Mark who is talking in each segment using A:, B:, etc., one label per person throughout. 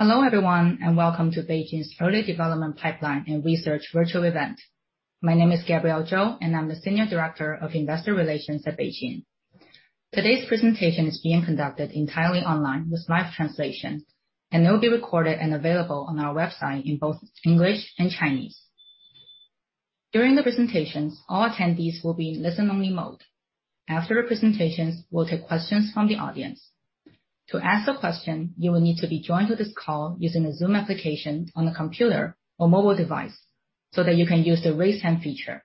A: Hello, everyone. Welcome to BeiGene's Early Development Pipeline and Research virtual event. My name is Gabrielle Zhou, and I'm the Senior Director of Investor Relations at BeiGene. Today's presentation is being conducted entirely online with live translation, and it will be recorded and available on our website in both English and Chinese. During the presentations, all attendees will be in listen-only mode. After the presentations, we'll take questions from the audience. To ask a question, you will need to be joined to this call using a Zoom application on a computer or mobile device so that you can use the Raise Hand feature.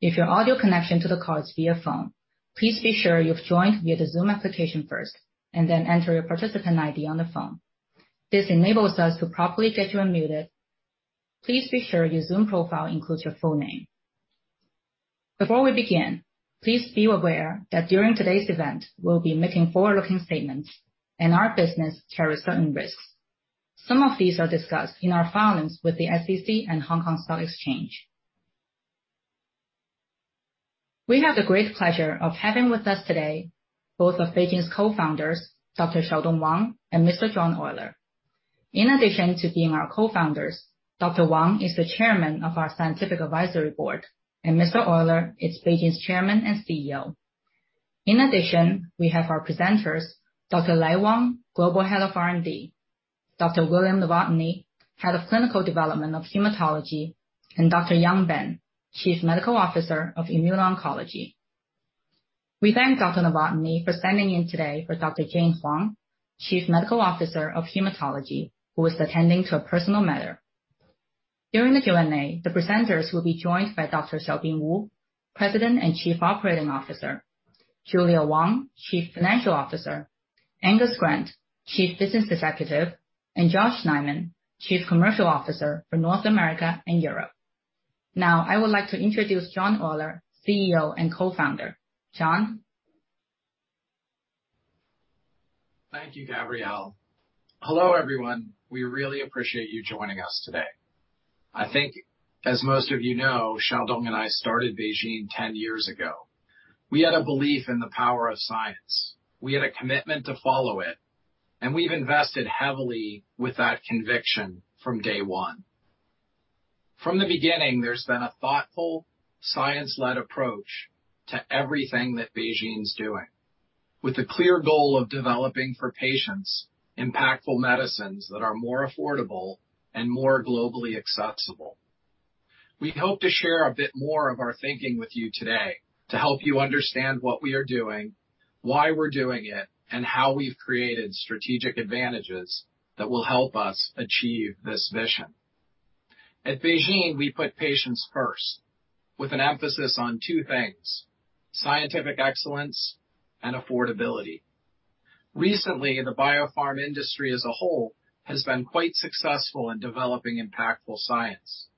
A: If your audio connection to the call is via phone, please be sure you've joined via the Zoom application first, and then enter your participant ID on the phone. This enables us to properly get you unmuted. Please be sure your Zoom profile includes your full name. Before we begin, please be aware that during today's event, we'll be making forward-looking statements and our business carries certain risks. Some of these are discussed in our filings with the SEC and Hong Kong Stock Exchange. We have the great pleasure of having with us today both of BeiGene's co-founders, Dr. Xiaodong Wang and Mr. John Oyler. In addition to being our co-founders, Dr. Wang is the Chairman of our scientific advisory board, and Mr. Oyler is BeiGene's Chairman and CEO. In addition, we have our presenters, Dr. Lai Wang, Global Head of R&D, Dr. William Novotny, Head of Clinical Development of Hematology, and Dr. Yang Ben, Chief Medical Officer of Immuno-Oncology. We thank Dr. Novotny for standing in today for Dr. Jane Huang, Chief Medical Officer of Hematology, who is attending to a personal matter. During the Q&A, the presenters will be joined by Dr. Xiaobin Wu, President and Chief Operating Officer, Julia Wang, Chief Financial Officer, Angus Grant, Chief Business Executive, and Josh Neiman, Chief Commercial Officer for North America and Europe. I would like to introduce John Oyler, CEO and co-founder. John?
B: Thank you, Gabrielle. Hello, everyone. We really appreciate you joining us today. I think as most of you know, Xiaodong and I started BeiGene 10 years ago. We had a belief in the power of science. We had a commitment to follow it, and we've invested heavily with that conviction from day one. From the beginning, there's been a thoughtful, science-led approach to everything that BeiGene's doing. With a clear goal of developing for patients impactful medicines that are more affordable and more globally accessible. We hope to share a bit more of our thinking with you today to help you understand what we are doing, why we're doing it, and how we've created strategic advantages that will help us achieve this vision. At BeiGene, we put patients first with an emphasis on two things, scientific excellence and affordability. Recently, the biopharm industry as a whole has been quite successful in developing impactful science,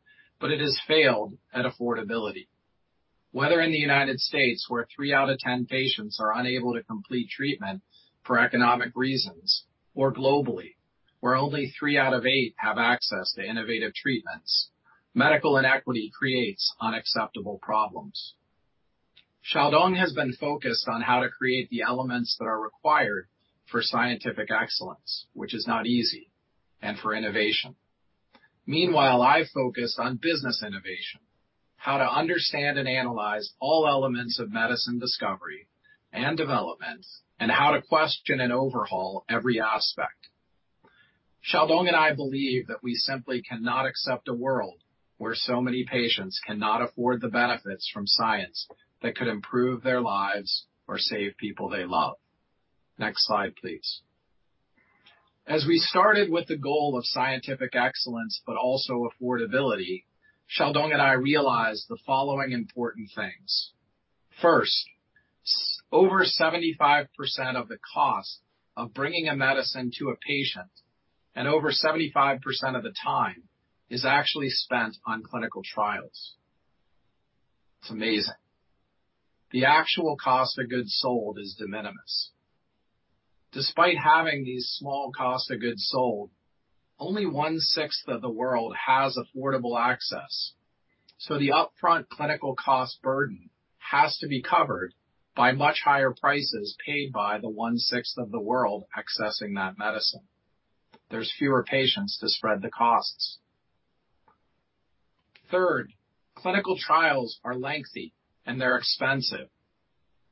B: it has failed at affordability. Whether in the U.S., where 3 out of 10 patients are unable to complete treatment for economic reasons, or globally, where only three out of eight have access to innovative treatments. Medical inequity creates unacceptable problems. Xiaodong has been focused on how to create the elements that are required for scientific excellence, which is not easy, and for innovation. Meanwhile, I focus on business innovation, how to understand and analyze all elements of medicine discovery and development, and how to question and overhaul every aspect. Xiaodong and I believe that we simply cannot accept a world where so many patients cannot afford the benefits from science that could improve their lives or save people they love. Next slide, please. We started with the goal of scientific excellence, but also affordability, Xiaodong and I realized the following important things. First, over 75% of the cost of bringing a medicine to a patient and over 75% of the time is actually spent on clinical trials. It's amazing. The actual cost of goods sold is de minimis. Despite having these small costs of goods sold, only one-sixth of the world has affordable access. The upfront clinical cost burden has to be covered by much higher prices paid by the one-sixth of the world accessing that medicine. There's fewer patients to spread the costs. Third, clinical trials are lengthy and they're expensive.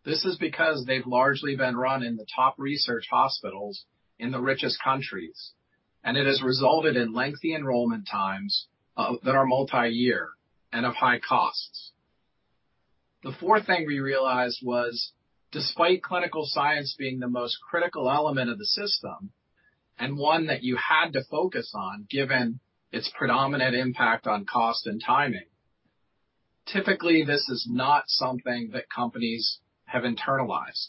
B: This is because they've largely been run in the top research hospitals in the richest countries, and it has resulted in lengthy enrollment times that are multi-year and of high costs. The fourth thing we realized was despite clinical science being the most critical element of the system, and one that you had to focus on given its predominant impact on cost and timing, typically, this is not something that companies have internalized.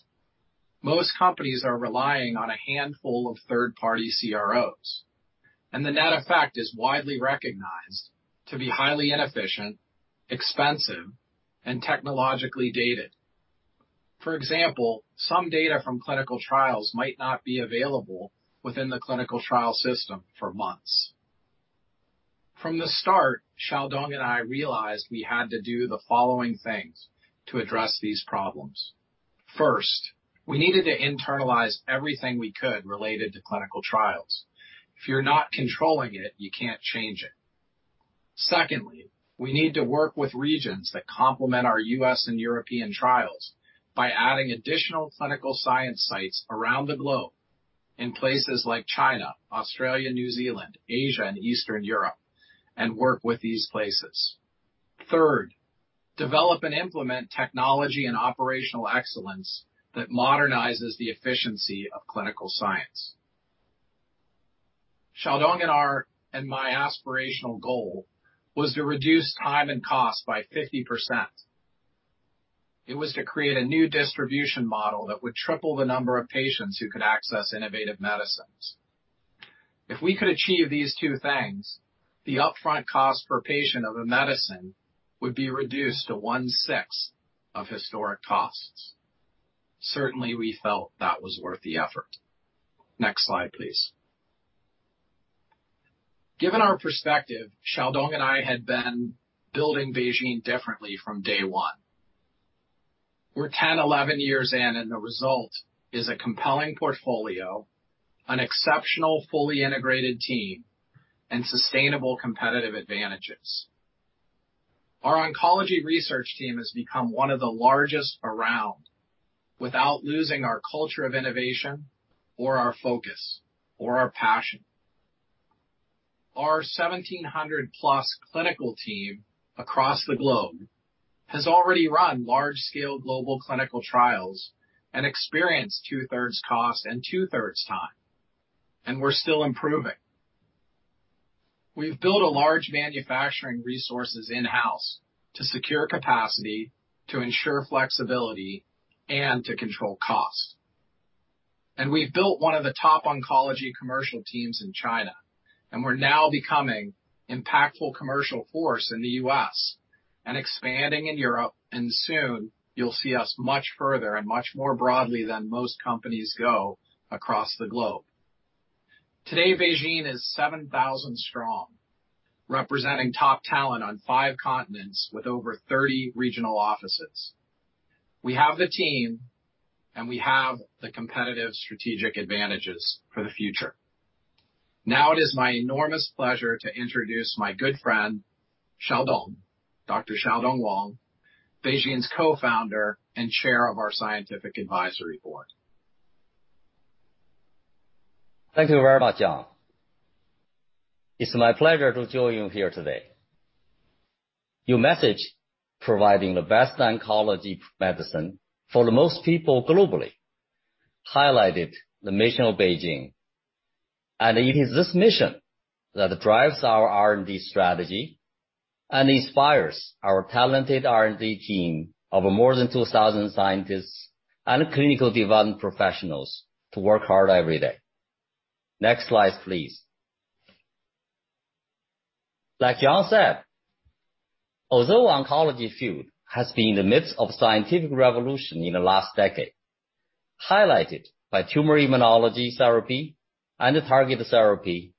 B: Most companies are relying on a handful of third-party CROs, and the net effect is widely recognized to be highly inefficient, expensive, and technologically dated. For example, some data from clinical trials might not be available within the clinical trial system for months. From the start, Xiaodong and I realized we had to do the following things to address these problems. First, we needed to internalize everything we could related to clinical trials. If you're not controlling it, you can't change it. Secondly, we need to work with regions that complement our U.S. and European trials by adding additional clinical science sites around the globe in places like China, Australia, New Zealand, Asia, and Eastern Europe, and work with these places. Third, develop and implement technology and operational excellence that modernizes the efficiency of clinical science. Xiaodong and my aspirational goal was to reduce time and cost by 50%. It was to create a new distribution model that would triple the number of patients who could access innovative medicines. If we could achieve these two things, the upfront cost per patient of a medicine would be reduced to one-sixth of historic costs. Certainly, we felt that was worth the effort. Next slide, please. Given our perspective, Xiaodong and I had been building BeiGene differently from day one. We're 10, 11 years in. The result is a compelling portfolio, an exceptional, fully integrated team, and sustainable competitive advantages. Our oncology research team has become one of the largest around without losing our culture of innovation, or our focus, or our passion. Our 1,700+ clinical team across the globe has already run large-scale global clinical trials and experienced two-thirds cost and two-thirds time. We're still improving. We've built large manufacturing resources in-house to secure capacity, to ensure flexibility, and to control cost. We've built one of the top oncology commercial teams in China. We're now becoming impactful commercial force in the U.S. and expanding in Europe. Soon you'll see us much further and much more broadly than most companies go across the globe. Today, BeOne Medicines is 7,000 strong, representing top talent on five continents with over 30 regional offices. We have the team. We have the competitive strategic advantages for the future. Now it is my enormous pleasure to introduce my good friend, Xiaodong, Dr. Xiaodong Wang, BeOne Medicines' co-founder and chair of our scientific advisory board.
C: Thank you very much, John. It's my pleasure to join you here today. Your message, providing the best oncology medicine for the most people globally, highlighted the mission of BeOne Medicines. It is this mission that drives our R&D strategy and inspires our talented R&D team of more than 2,000 scientists and clinical development professionals to work hard every day. Next slide, please. Like John said, although oncology field has been in the midst of scientific revolution in the last decade, highlighted by tumor immunology therapy and targeted therapy,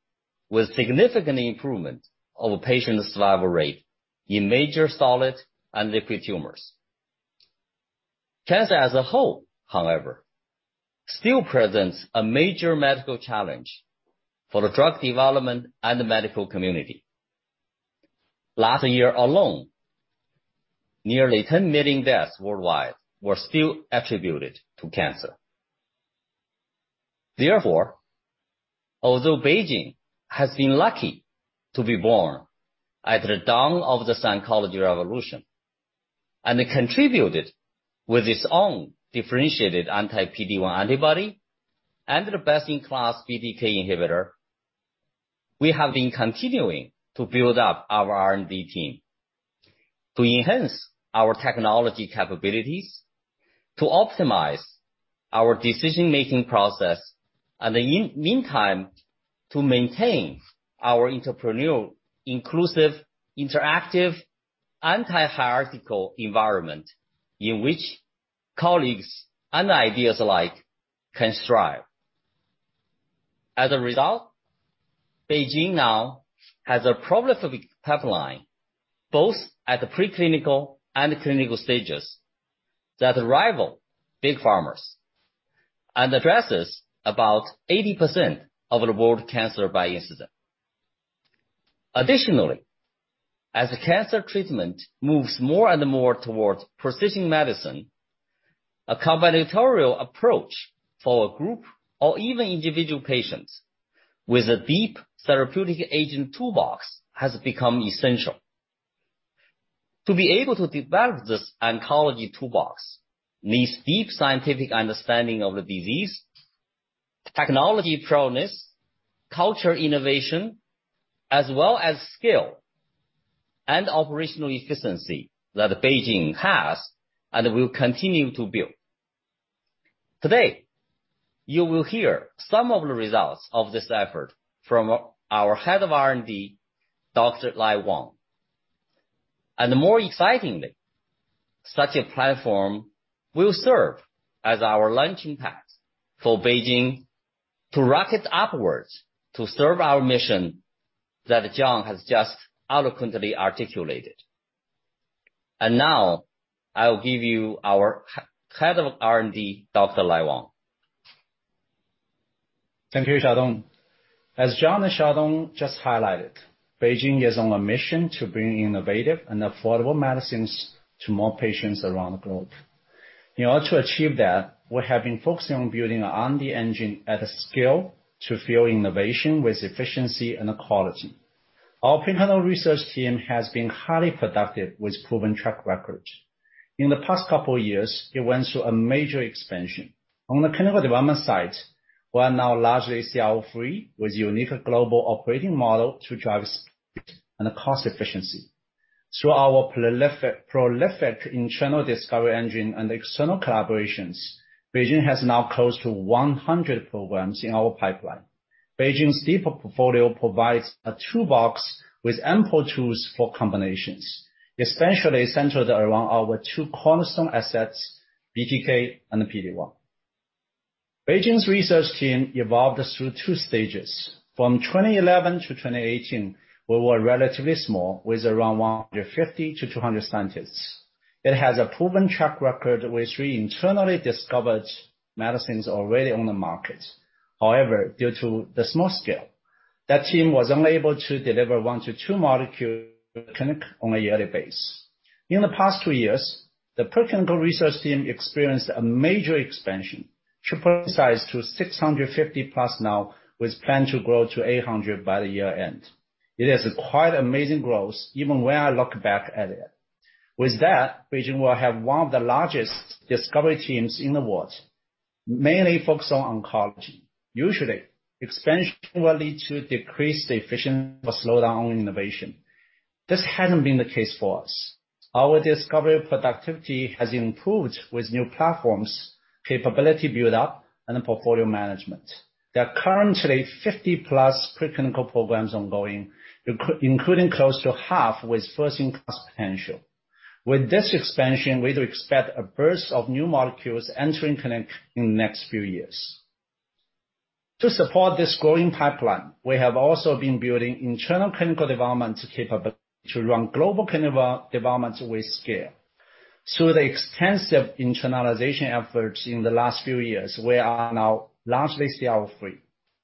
C: with significant improvement of patient's survival rate in major solid and liquid tumors. Cancer as a whole, however, still presents a major medical challenge for the drug development and the medical community. Last year alone, nearly 10 million deaths worldwide were still attributed to cancer. Therefore, although BeOne Medicines has been lucky to be born at the dawn of this oncology revolution, contributed with its own differentiated anti-PD-1 antibody and the best-in-class BTK inhibitor, we have been continuing to build up our R&D team to enhance our technology capabilities, to optimize our decision-making process. In the meantime, to maintain our entrepreneurial, inclusive, interactive, anti-hierarchical environment in which colleagues and ideas alike can thrive. As a result, BeOne Medicines now has a prolific pipeline, both at the preclinical and clinical stages, that rival big pharmas, addresses about 80% of the world cancer by incident. Additionally, as cancer treatment moves more and more towards precision medicine, a combinatorial approach for a group or even individual patients with a deep therapeutic agent toolbox has become essential. To be able to develop this oncology toolbox needs deep scientific understanding of the disease, technology prowess, culture innovation, as well as scale and operational efficiency that BeOne Medicines has and will continue to build. Today, you will hear some of the results of this effort from our Head of R&D, Dr. Lai Wang. More excitingly, such a platform will serve as our launching pad for BeOne Medicines to rocket upwards to serve our mission that John has just eloquently articulated. Now I'll give you our Head of R&D, Dr. Lai Wang.
D: Thank you, Xiaodong. As John and Xiaodong just highlighted, BeOne Medicines is on a mission to bring innovative and affordable medicines to more patients around the globe. In order to achieve that, we have been focusing on building an R&D engine at scale to fuel innovation with efficiency and quality. Our preclinical research team has been highly productive with proven track record. In the past couple of years, it went through a major expansion. On the clinical development side, we are now largely CRO-free, with unique global operating model to drive speed and cost efficiency. Through our prolific internal discovery engine and external collaborations, BeOne Medicines has now close to 100 programs in our pipeline. BeOne Medicines's deeper portfolio provides a toolbox with ample tools for combinations, essentially centered around our two cornerstone assets, BTK and PD-1. BeOne Medicines's research team evolved through two stages. From 2011 to 2018, we were relatively small with around 150 to 200 scientists. It has a proven track record with three internally discovered medicines already on the market. However, due to the small scale, that team was only able to deliver one to two molecule clinic on a yearly base. In the past two years, the preclinical research team experienced a major expansion, triple size to 650 plus now, with plan to grow to 800 by the year-end. It is quite amazing growth, even when I look back at it. With that, BeOne Medicines will have one of the largest discovery teams in the world, mainly focused on oncology. Usually, expansion will lead to decreased efficiency or slowdown innovation. This hasn't been the case for us. Our discovery productivity has improved with new platforms, capability build-up, and portfolio management. There are currently 50 plus preclinical programs ongoing, including close to half with first in class potential. With this expansion, we do expect a burst of new molecules entering clinic in the next few years. To support this growing pipeline, we have also been building internal clinical development capability to run global clinical development with scale. Through the extensive internalization efforts in the last few years, we are now largely CRO-free.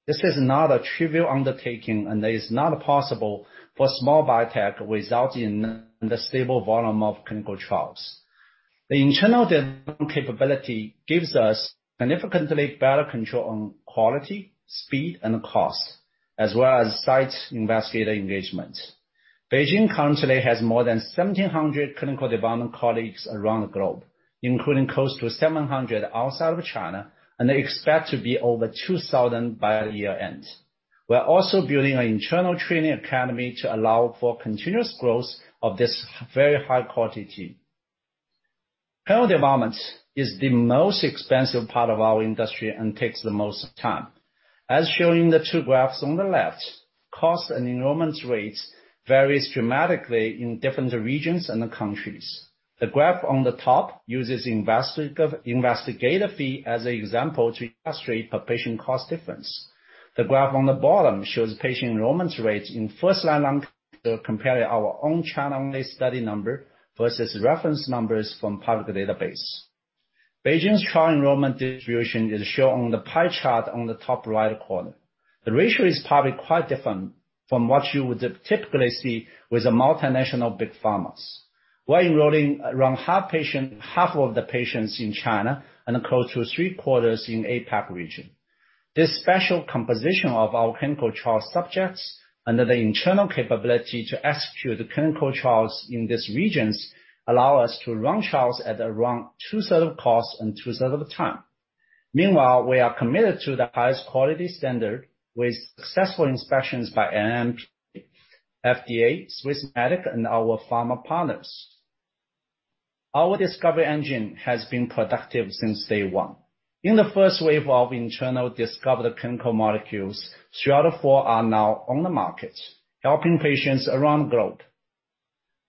D: This is not a trivial undertaking, and it is not possible for small biotech without an unstable volume of clinical trials. The internal development capability gives us significantly better control on quality, speed, and cost, as well as site investigator engagement. BeOne Medicines currently has more than 1,700 clinical development colleagues around the globe, including close to 700 outside of China, and they expect to be over 2,000 by the year-end. We are also building an internal training academy to allow for continuous growth of this very high-quality team. Clinical development is the most expensive part of our industry and takes the most time. As shown in the two graphs on the left, cost and enrollment rates vary dramatically in different regions and countries. The graph on the top uses investigative fee as an example to illustrate per patient cost difference. The graph on the bottom shows patient enrollment rates in first line compared to our own China-only study number versus reference numbers from public database. BeOne Medicines's trial enrollment distribution is shown on the pie chart on the top right corner. The ratio is probably quite different from what you would typically see with the multinational big pharmas. We're enrolling around half of the patients in China and close to three-quarters in APAC region. This special composition of our clinical trial subjects under the internal capability to execute clinical trials in these regions allows us to run trials at around two-thirds of cost and two-thirds of the time. Meanwhile, we are committed to the highest quality standard with successful inspections by NMPA, FDA, Swissmedic, and our pharma partners. Our discovery engine has been productive since day one. In the first wave of internal discovered clinical molecules, three out of four are now on the market, helping patients around the globe.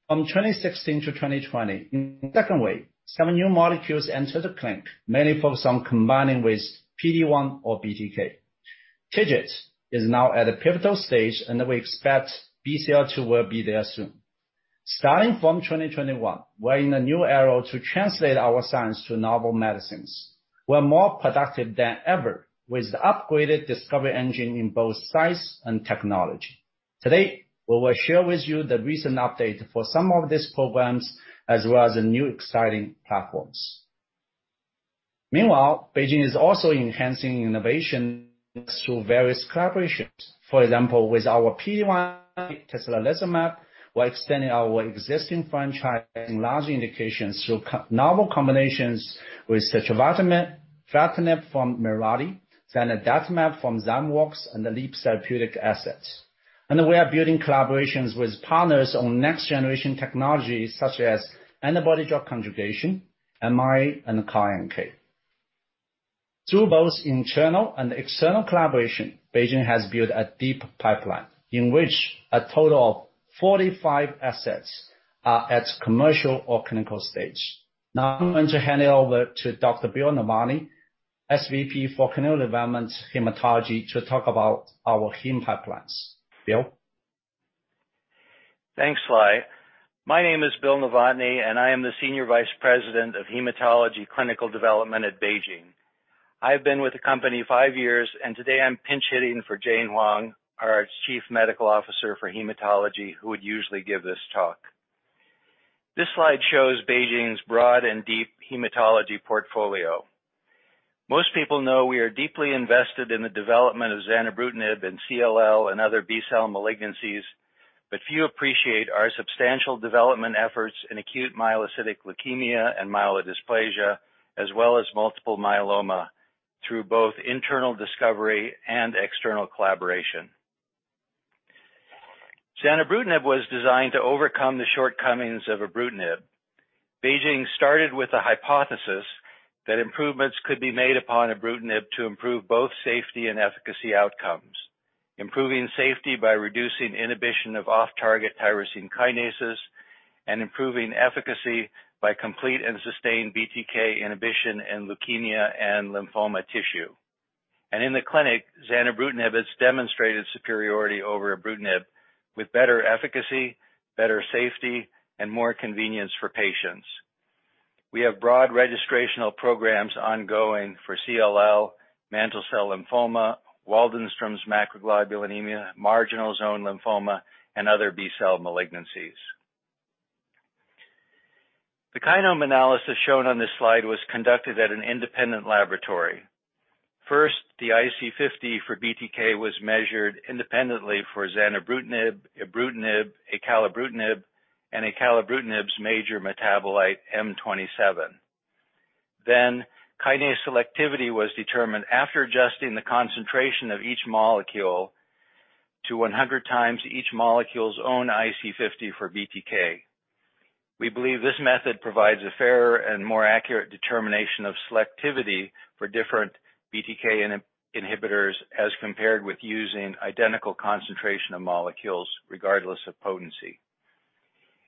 D: From 2016 to 2020, in the second wave, seven new molecules entered the clinic, many focused on combining with PD-1 or BTK. TIGIT is now at a pivotal stage, and we expect BCL-2 will be there soon. From 2021, we are in a new era to translate our science to novel medicines. We are more productive than ever with the upgraded discovery engine in both size and technology. Today, we will share with you the recent update for some of these programs, as well as the new exciting platforms. Meanwhile, BeOne Medicines is also enhancing innovation through various collaborations. For example, with our PD-1, tislelizumab, we're extending our existing franchise in large indications through novel combinations with cechervatimab, sitravatinib from Mirati, zanidatamab from Zymeworks, and the Leap Therapeutics assets. We are building collaborations with partners on next-generation technologies such as antibody drug conjugation, mRNA, and CAR-NK. Through both internal and external collaboration, BeOne Medicines has built a deep pipeline in which a total of 45 assets are at commercial or clinical stage. I'm going to hand it over to Dr. Bill Novotny, SVP for Clinical Development Hematology, to talk about our heme pipelines. Bill?
E: Thanks, Lai. My name is Bill Novotny. I am the Senior Vice President of Hematology Clinical Development at BeOne Medicines. I've been with the company five years. Today I'm pinch-hitting for Jane Huang, our Chief Medical Officer for Hematology, who would usually give this talk. This slide shows BeOne Medicines's broad and deep hematology portfolio. Most people know we are deeply invested in the development of zanubrutinib in CLL and other B-cell malignancies, few appreciate our substantial development efforts in acute myeloid leukemia and myelodysplasia, as well as multiple myeloma through both internal discovery and external collaboration. Zanubrutinib was designed to overcome the shortcomings of ibrutinib. BeOne Medicines started with a hypothesis that improvements could be made upon ibrutinib to improve both safety and efficacy outcomes, improving safety by reducing inhibition of off-target tyrosine kinases and improving efficacy by complete and sustained BTK inhibition in leukemia and lymphoma tissue. In the clinic, zanubrutinib has demonstrated superiority over ibrutinib with better efficacy, better safety, and more convenience for patients. We have broad registrational programs ongoing for CLL, mantle cell lymphoma, Waldenstrom macroglobulinemia, marginal zone lymphoma, and other B-cell malignancies. The kinome analysis shown on this slide was conducted at an independent laboratory. First, the IC50 for BTK was measured independently for zanubrutinib, ibrutinib, acalabrutinib, and acalabrutinib's major metabolite, M27. Kinase selectivity was determined after adjusting the concentration of each molecule to 100 times each molecule's own IC50 for BTK. We believe this method provides a fairer and more accurate determination of selectivity for different BTK inhibitors as compared with using identical concentration of molecules regardless of potency.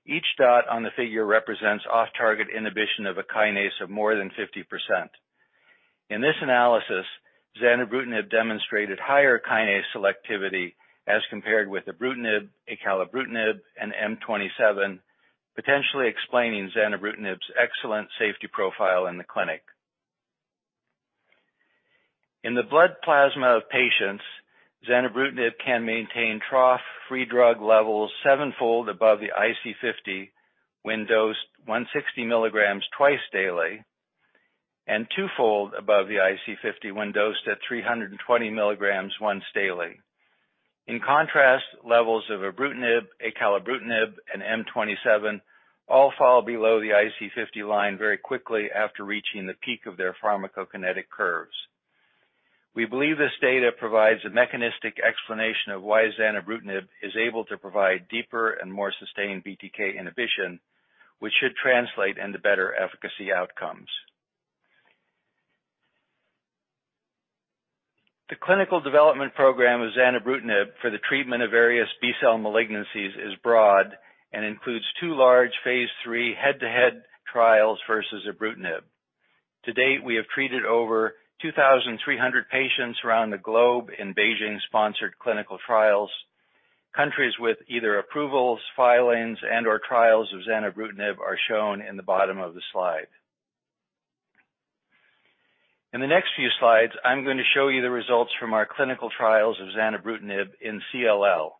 E: Each dot on the figure represents off-target inhibition of a kinase of more than 50%. In this analysis, zanubrutinib demonstrated higher kinase selectivity as compared with ibrutinib, acalabrutinib, and M27, potentially explaining zanubrutinib's excellent safety profile in the clinic. In the blood plasma of patients, zanubrutinib can maintain trough free drug levels sevenfold above the IC50 when dosed 160 milligrams twice daily and twofold above the IC50 when dosed at 320 milligrams once daily. In contrast, levels of ibrutinib, acalabrutinib, and M27 all fall below the IC50 line very quickly after reaching the peak of their pharmacokinetic curves. We believe this data provides a mechanistic explanation of why zanubrutinib is able to provide deeper and more sustained BTK inhibition, which should translate into better efficacy outcomes. The clinical development program of zanubrutinib for the treatment of various B-cell malignancies is broad and includes two large phase III head-to-head trials versus ibrutinib. To date, we have treated over 2,300 patients around the globe in BeiGene-sponsored clinical trials. Countries with either approvals, filings, and/or trials of zanubrutinib are shown in the bottom of the slide. The next few slides, I'm going to show you the results from our clinical trials of zanubrutinib in CLL,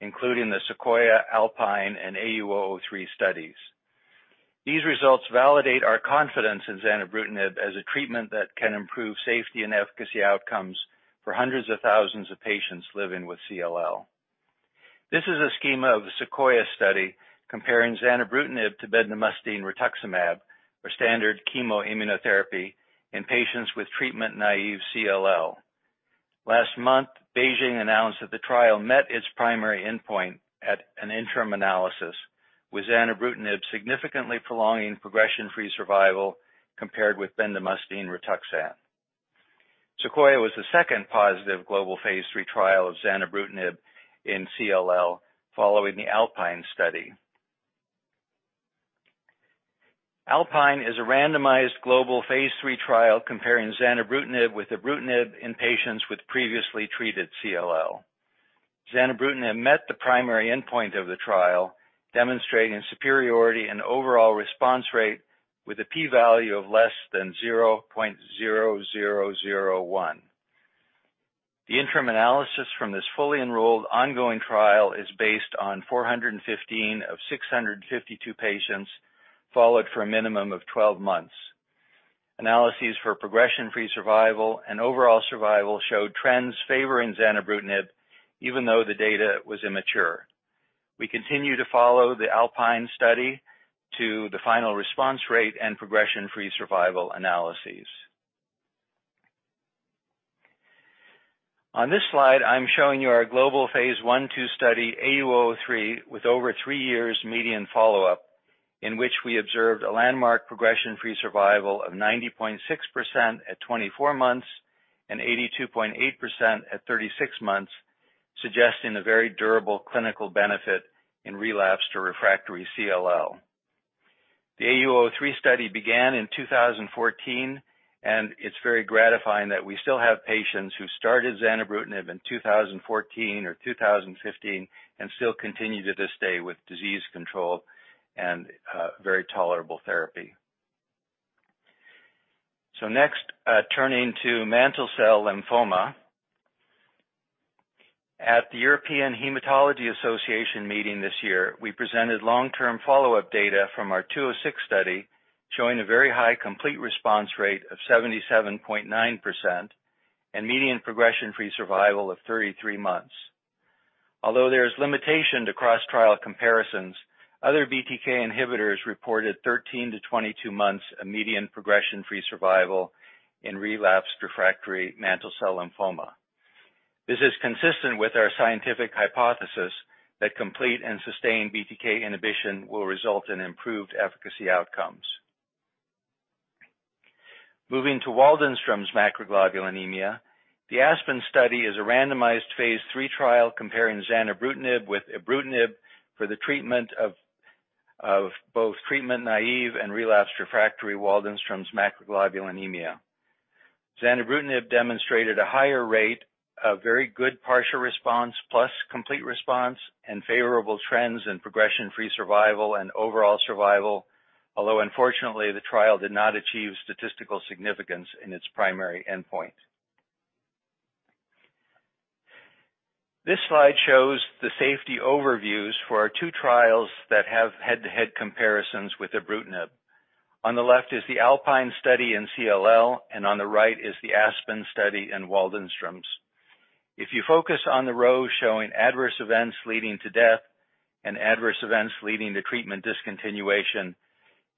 E: including the SEQUOIA, ALPINE, and AU-003 studies. These results validate our confidence in zanubrutinib as a treatment that can improve safety and efficacy outcomes for hundreds of thousands of patients living with CLL. This is a schema of the SEQUOIA study comparing zanubrutinib to bendamustine rituximab for standard chemo-immunotherapy in patients with treatment-naive CLL. Last month, BeiGene announced that the trial met its primary endpoint at an interim analysis, with zanubrutinib significantly prolonging progression-free survival compared with bendamustine rituximab. SEQUOIA was the second-positive global phase III trial of zanubrutinib in CLL following the ALPINE study. ALPINE is a randomized global phase III trial comparing zanubrutinib with ibrutinib in patients with previously treated CLL. Zanubrutinib met the primary endpoint of the trial, demonstrating superiority in overall response rate with a P value of less than 0.0001. The interim analysis from this fully enrolled ongoing trial is based on 415 of 652 patients followed for a minimum of 12 months. Analyses for progression-free survival and overall survival showed trends favoring zanubrutinib, even though the data was immature. We continue to follow the ALPINE study to the final response rate and progression-free survival analyses. This slide, I'm showing you our global phase I/II study, AU-003, with over three years median follow-up, in which we observed a landmark progression-free survival of 90.6% at 24 months and 82.8% at 36 months, suggesting a very durable clinical benefit in relapsed to refractory CLL. The AU-003 study began in 2014, It's very gratifying that we still have patients who started zanubrutinib in 2014 or 2015 and still continue to this day with disease control and very tolerable therapy. Next, turning to mantle cell lymphoma. At the European Hematology Association meeting this year, we presented long-term follow-up data from our 206 study showing a very high complete response rate of 77.9% and median progression-free survival of 33 months. Although there is limitation to cross-trial comparisons, other BTK inhibitors reported 13-22 months of median progression-free survival in relapsed refractory mantle cell lymphoma. This is consistent with our scientific hypothesis that complete and sustained BTK inhibition will result in improved efficacy outcomes. Moving to Waldenstrom macroglobulinemia, the ASPEN study is a randomized phase III trial comparing zanubrutinib with ibrutinib for the treatment of both treatment-naive and relapsed/refractory Waldenstrom macroglobulinemia. Zanubrutinib demonstrated a higher rate of very good partial response plus complete response and favorable trends in progression-free survival and overall survival. Unfortunately, the trial did not achieve statistical significance in its primary endpoint. This slide shows the safety overviews for our two trials that have head-to-head comparisons with ibrutinib. On the left is the ALPINE study in CLL, on the right is the ASPEN study in Waldenstrom. If you focus on the row showing adverse events leading to death and adverse events leading to treatment discontinuation,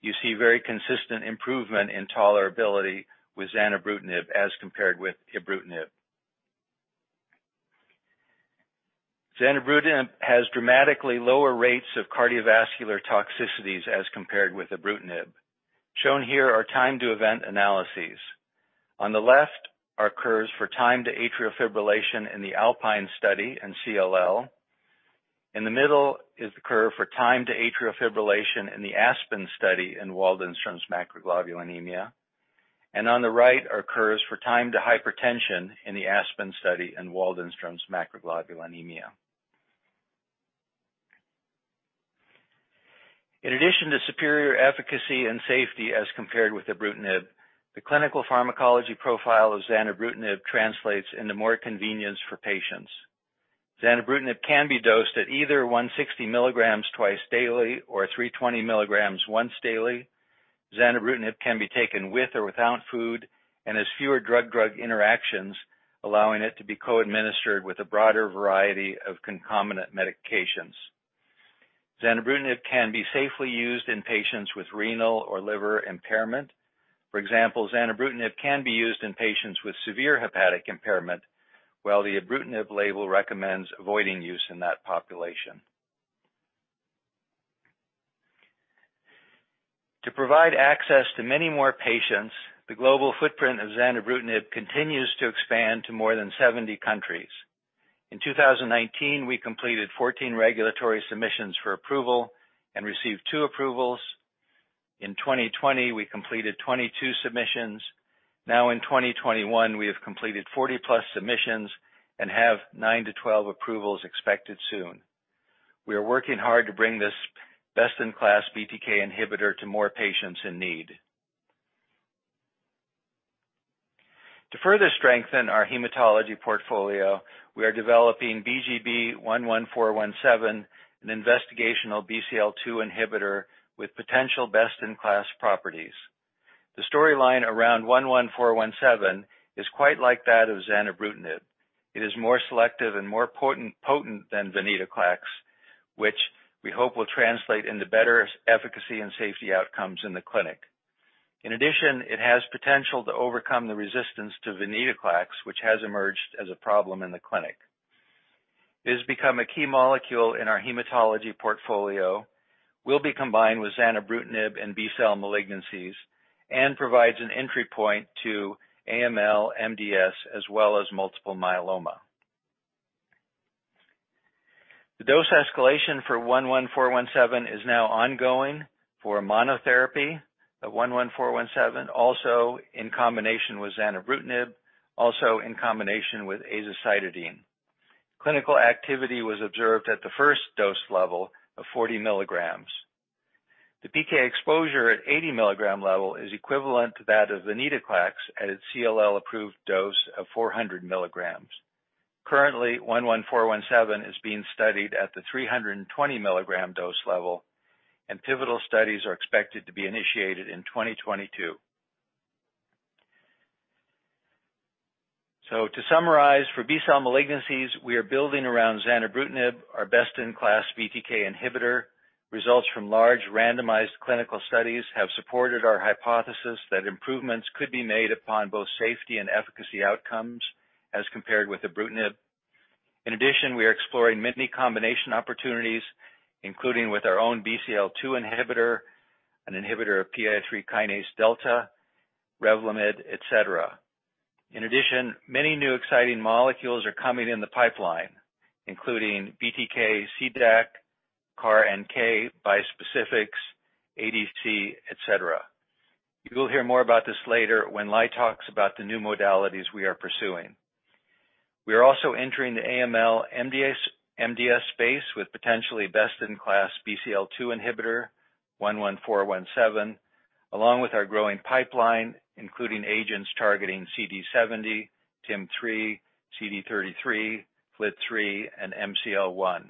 E: you see very consistent improvement in tolerability with zanubrutinib as compared with ibrutinib. Zanubrutinib has dramatically lower rates of cardiovascular toxicities as compared with ibrutinib. Shown here are time-to-event analyses. On the left are curves for time to atrial fibrillation in the ALPINE study in CLL. In the middle is the curve for time to atrial fibrillation in the ASPEN study in Waldenstrom macroglobulinemia. On the right are curves for time to hypertension in the ASPEN study in Waldenstrom macroglobulinemia. In addition to superior efficacy and safety as compared with ibrutinib, the clinical pharmacology profile of zanubrutinib translates into more convenience for patients. Zanubrutinib can be dosed at either 160 mg twice daily or 320 mg once daily. Zanubrutinib can be taken with or without food and has fewer drug-drug interactions, allowing it to be co-administered with a broader variety of concomitant medications. Zanubrutinib can be safely used in patients with renal or liver impairment. For example, zanubrutinib can be used in patients with severe hepatic impairment, while the ibrutinib label recommends avoiding use in that population. To provide access to many more patients, the global footprint of zanubrutinib continues to expand to more than 70 countries. In 2019, we completed 14 regulatory submissions for approval and received two approvals. In 2020, we completed 22 submissions. In 2021, we have completed 40-plus submissions and have 9-12 approvals expected soon. We are working hard to bring this best-in-class BTK inhibitor to more patients in need. To further strengthen our hematology portfolio, we are developing BGB-11417, an investigational BCL-2 inhibitor with potential best-in-class properties. The storyline around 11417 is quite like that of zanubrutinib. It is more selective and more potent than venetoclax, which we hope will translate into better efficacy and safety outcomes in the clinic. In addition, it has potential to overcome the resistance to venetoclax, which has emerged as a problem in the clinic. It has become a key molecule in our hematology portfolio, will be combined with zanubrutinib in B-cell malignancies, and provides an entry point to AML, MDS, as well as multiple myeloma. The dose escalation for 11417 is now ongoing for monotherapy of 11417, also in combination with zanubrutinib, also in combination with azacitidine. Clinical activity was observed at the first dose level of 40 milligrams. The PK exposure at 80-milligram level is equivalent to that of venetoclax at its CLL-approved dose of 400 milligrams. Currently, 11417 is being studied at the 320-milligram dose level, and pivotal studies are expected to be initiated in 2022. To summarize, for B-cell malignancies, we are building around zanubrutinib, our best-in-class BTK inhibitor. Results from large randomized clinical studies have supported our hypothesis that improvements could be made upon both safety and efficacy outcomes as compared with ibrutinib. We are exploring many combination opportunities, including with our own BCL-2 inhibitor, an inhibitor of PI3K delta, Revlimid, et cetera. Many new exciting molecules are coming in the pipeline, including BTK, CDAC, CAR-NK, bispecifics, ADC, et cetera. You will hear more about this later when Lai talks about the new modalities we are pursuing. We are also entering the AML/MDS space with potentially best-in-class BCL-2 inhibitor 11417, along with our growing pipeline, including agents targeting CD70, TIM3, CD33, FLT3, and MCL-1.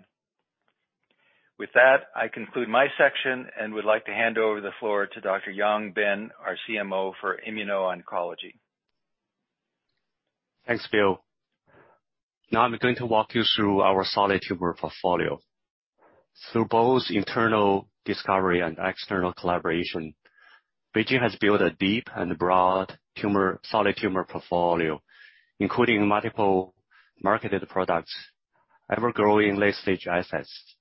E: With that, I conclude my section and would like to hand over the floor to Dr. Yang Ben, our CMO for immuno-oncology.
F: Thanks, Bill. I'm going to walk you through our solid tumor portfolio. Through both internal discovery and external collaboration, BeiGene has built a deep and broad solid tumor portfolio, including multiple marketed products, ever-growing late-stage assets,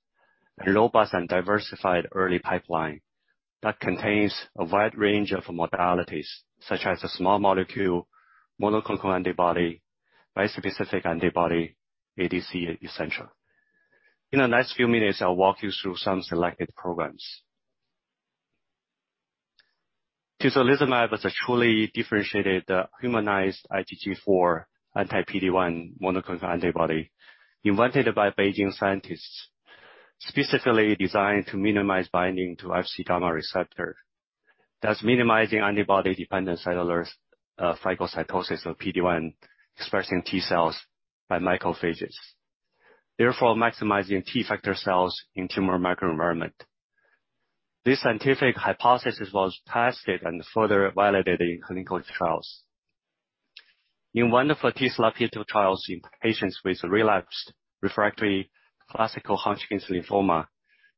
F: a robust and diversified early pipeline that contains a wide range of modalities such as a small molecule, monoclonal antibody, bispecific antibody, ADC, et cetera. In the next few minutes, I'll walk you through some selected programs. Tislelizumab is a truly differentiated humanized IgG4 anti-PD-1 monoclonal antibody invented by BeiGene scientists, specifically designed to minimize binding to Fc gamma receptor, thus minimizing antibody-dependent cellular phagocytosis of PD-1, expressing T cells by macrophages. Therefore, maximizing T effector cells in tumor microenvironment. This scientific hypothesis was tested and further validated in clinical trials. In one of the tislelizumab phase II trials in patients with relapsed/refractory classical Hodgkin's lymphoma,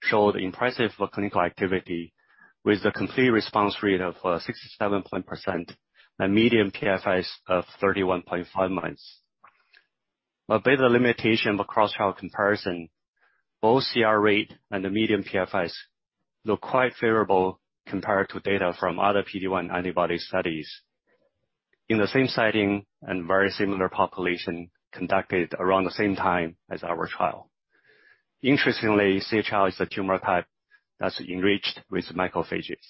F: showed impressive clinical activity with a complete response rate of 67.0% and median PFIs of 31.5 months. A beta limitation across health comparison, both CR rate and the median PFIs look quite favorable compared to data from other PD-1 antibody studies in the same setting and very similar population conducted around the same time as our trial. Interestingly, CHL is a tumor type that's enriched with macrophages.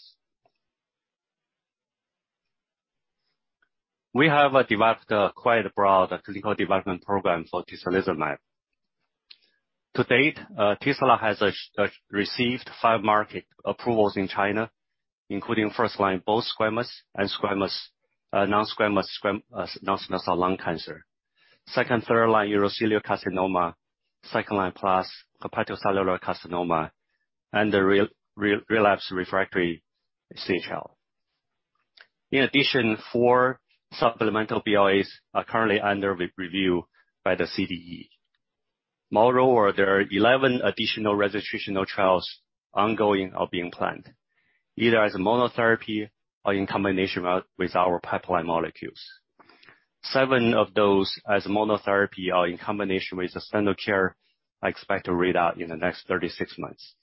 F: We have developed quite a broad clinical development program for tislelizumab. To date, tislelizumab has received five market approvals in China, including first-line both squamous and non-squamous lung cancer. Second-line, third-line urothelial carcinoma, second-line plus hepatocellular carcinoma, and the relapsed/refractory CHL. 4 supplemental BLAs are currently under review by the CDE. Moreover, there are 11 additional registrational trials ongoing or being planned, either as a monotherapy or in combination with our pipeline molecules. Seven of those as monotherapy or in combination with the standard care, I expect to read out in the next 36 months.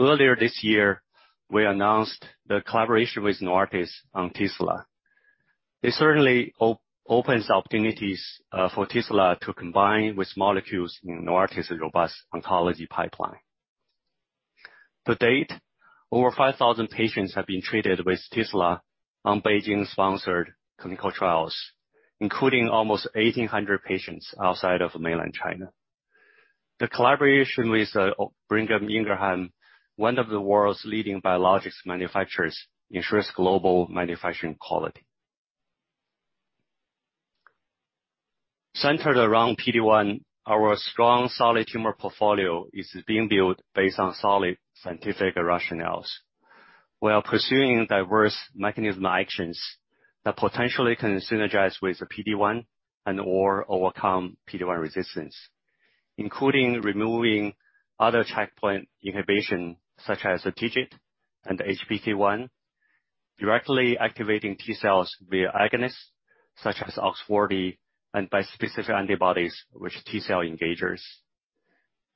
F: Earlier this year, we announced the collaboration with Novartis on Tisla. It certainly opens opportunities for Tisla to combine with molecules in Novartis' robust oncology pipeline. To date, over 5,000 patients have been treated with Tisla on BeiGene-sponsored clinical trials, including almost 1,800 patients outside of mainland China. The collaboration with Brigham and Women's, one of the world's leading biologics manufacturers, ensures global manufacturing quality. Centered around PD-1, our strong solid tumor portfolio is being built based on solid scientific rationales. We are pursuing diverse mechanism actions that potentially can synergize with the PD-1 and/or overcome PD-1 resistance, including removing other checkpoint inhibition such as TIGIT and HPK1, directly activating T cells via agonists such as OX40 and bispecific antibodies, with T cell engagers.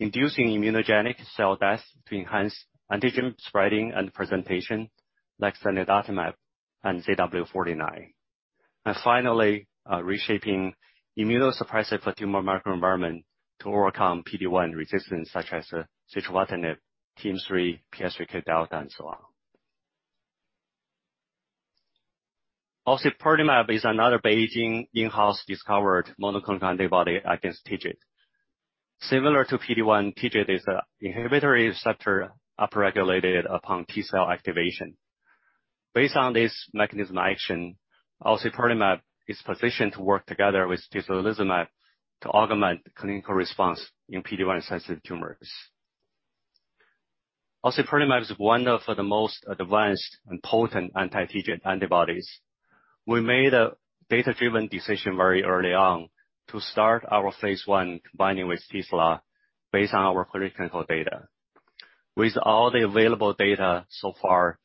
F: Inducing immunogenic cell death to enhance antigen spreading and presentation like lenalidomide and ZW49. Finally, reshaping immunosuppressive tumor microenvironment to overcome PD-1 resistance such as sitravatinib, TIM-3, PI3K delta, and so on. ociperlimab is another BeiGene in-house discovered monoclonal antibody against TIGIT. Similar to PD-1, TIGIT is an inhibitory receptor upregulated upon T cell activation. Based on this mechanism action, ociperlimab is positioned to work together with tislelizumab to augment clinical response in PD-1-sensitive tumors. ociperlimab is one of the most advanced and potent anti-TIGIT antibodies. We made a data-driven decision very early on to start our phase I combining with Tisla based on our preclinical data. With all the available data so far,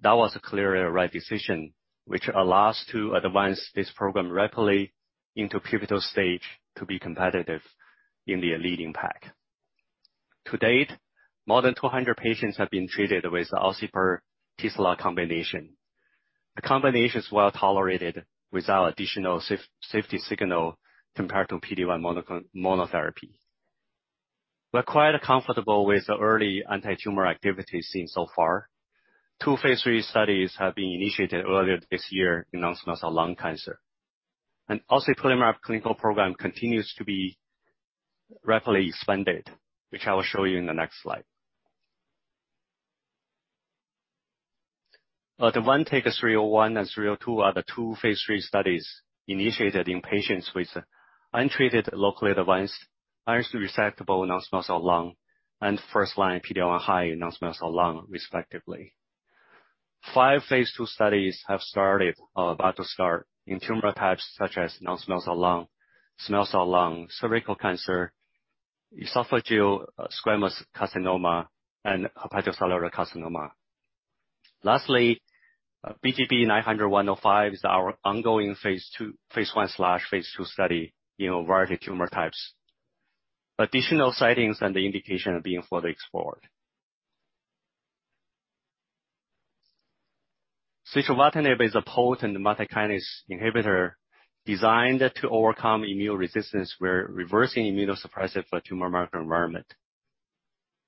F: that was a clear right decision, which allows to advance this program rapidly into pivotal stage to be competitive in the leading pack. To date, more than 200 patients have been treated with the ociperlimab Tisla combination. The combination is well-tolerated without additional safety signal compared to PD-1 monotherapy. We're quite comfortable with the early anti-tumor activity seen so far. Two phase III studies have been initiated earlier this year in non-small cell lung cancer. ociperlimab clinical program continues to be rapidly expanded, which I will show you in the next slide. 301 and 302 are the Two phase III studies initiated in patients with untreated locally advanced, unresectable non-small cell lung and first-line PD-L1 high non-small cell lung, respectively. Five phase II studies have started or about to start in tumor types such as non-small cell lung, small cell lung, cervical cancer, esophageal squamous carcinoma, and hepatocellular carcinoma. Lastly, BTB 90105 is our ongoing phase I/II study in a variety of tumor types. Additional settings and the indication are being further explored. Sitravatinib is a potent multi-kinase inhibitor designed to overcome immune resistance by reversing immunosuppressive tumor microenvironment.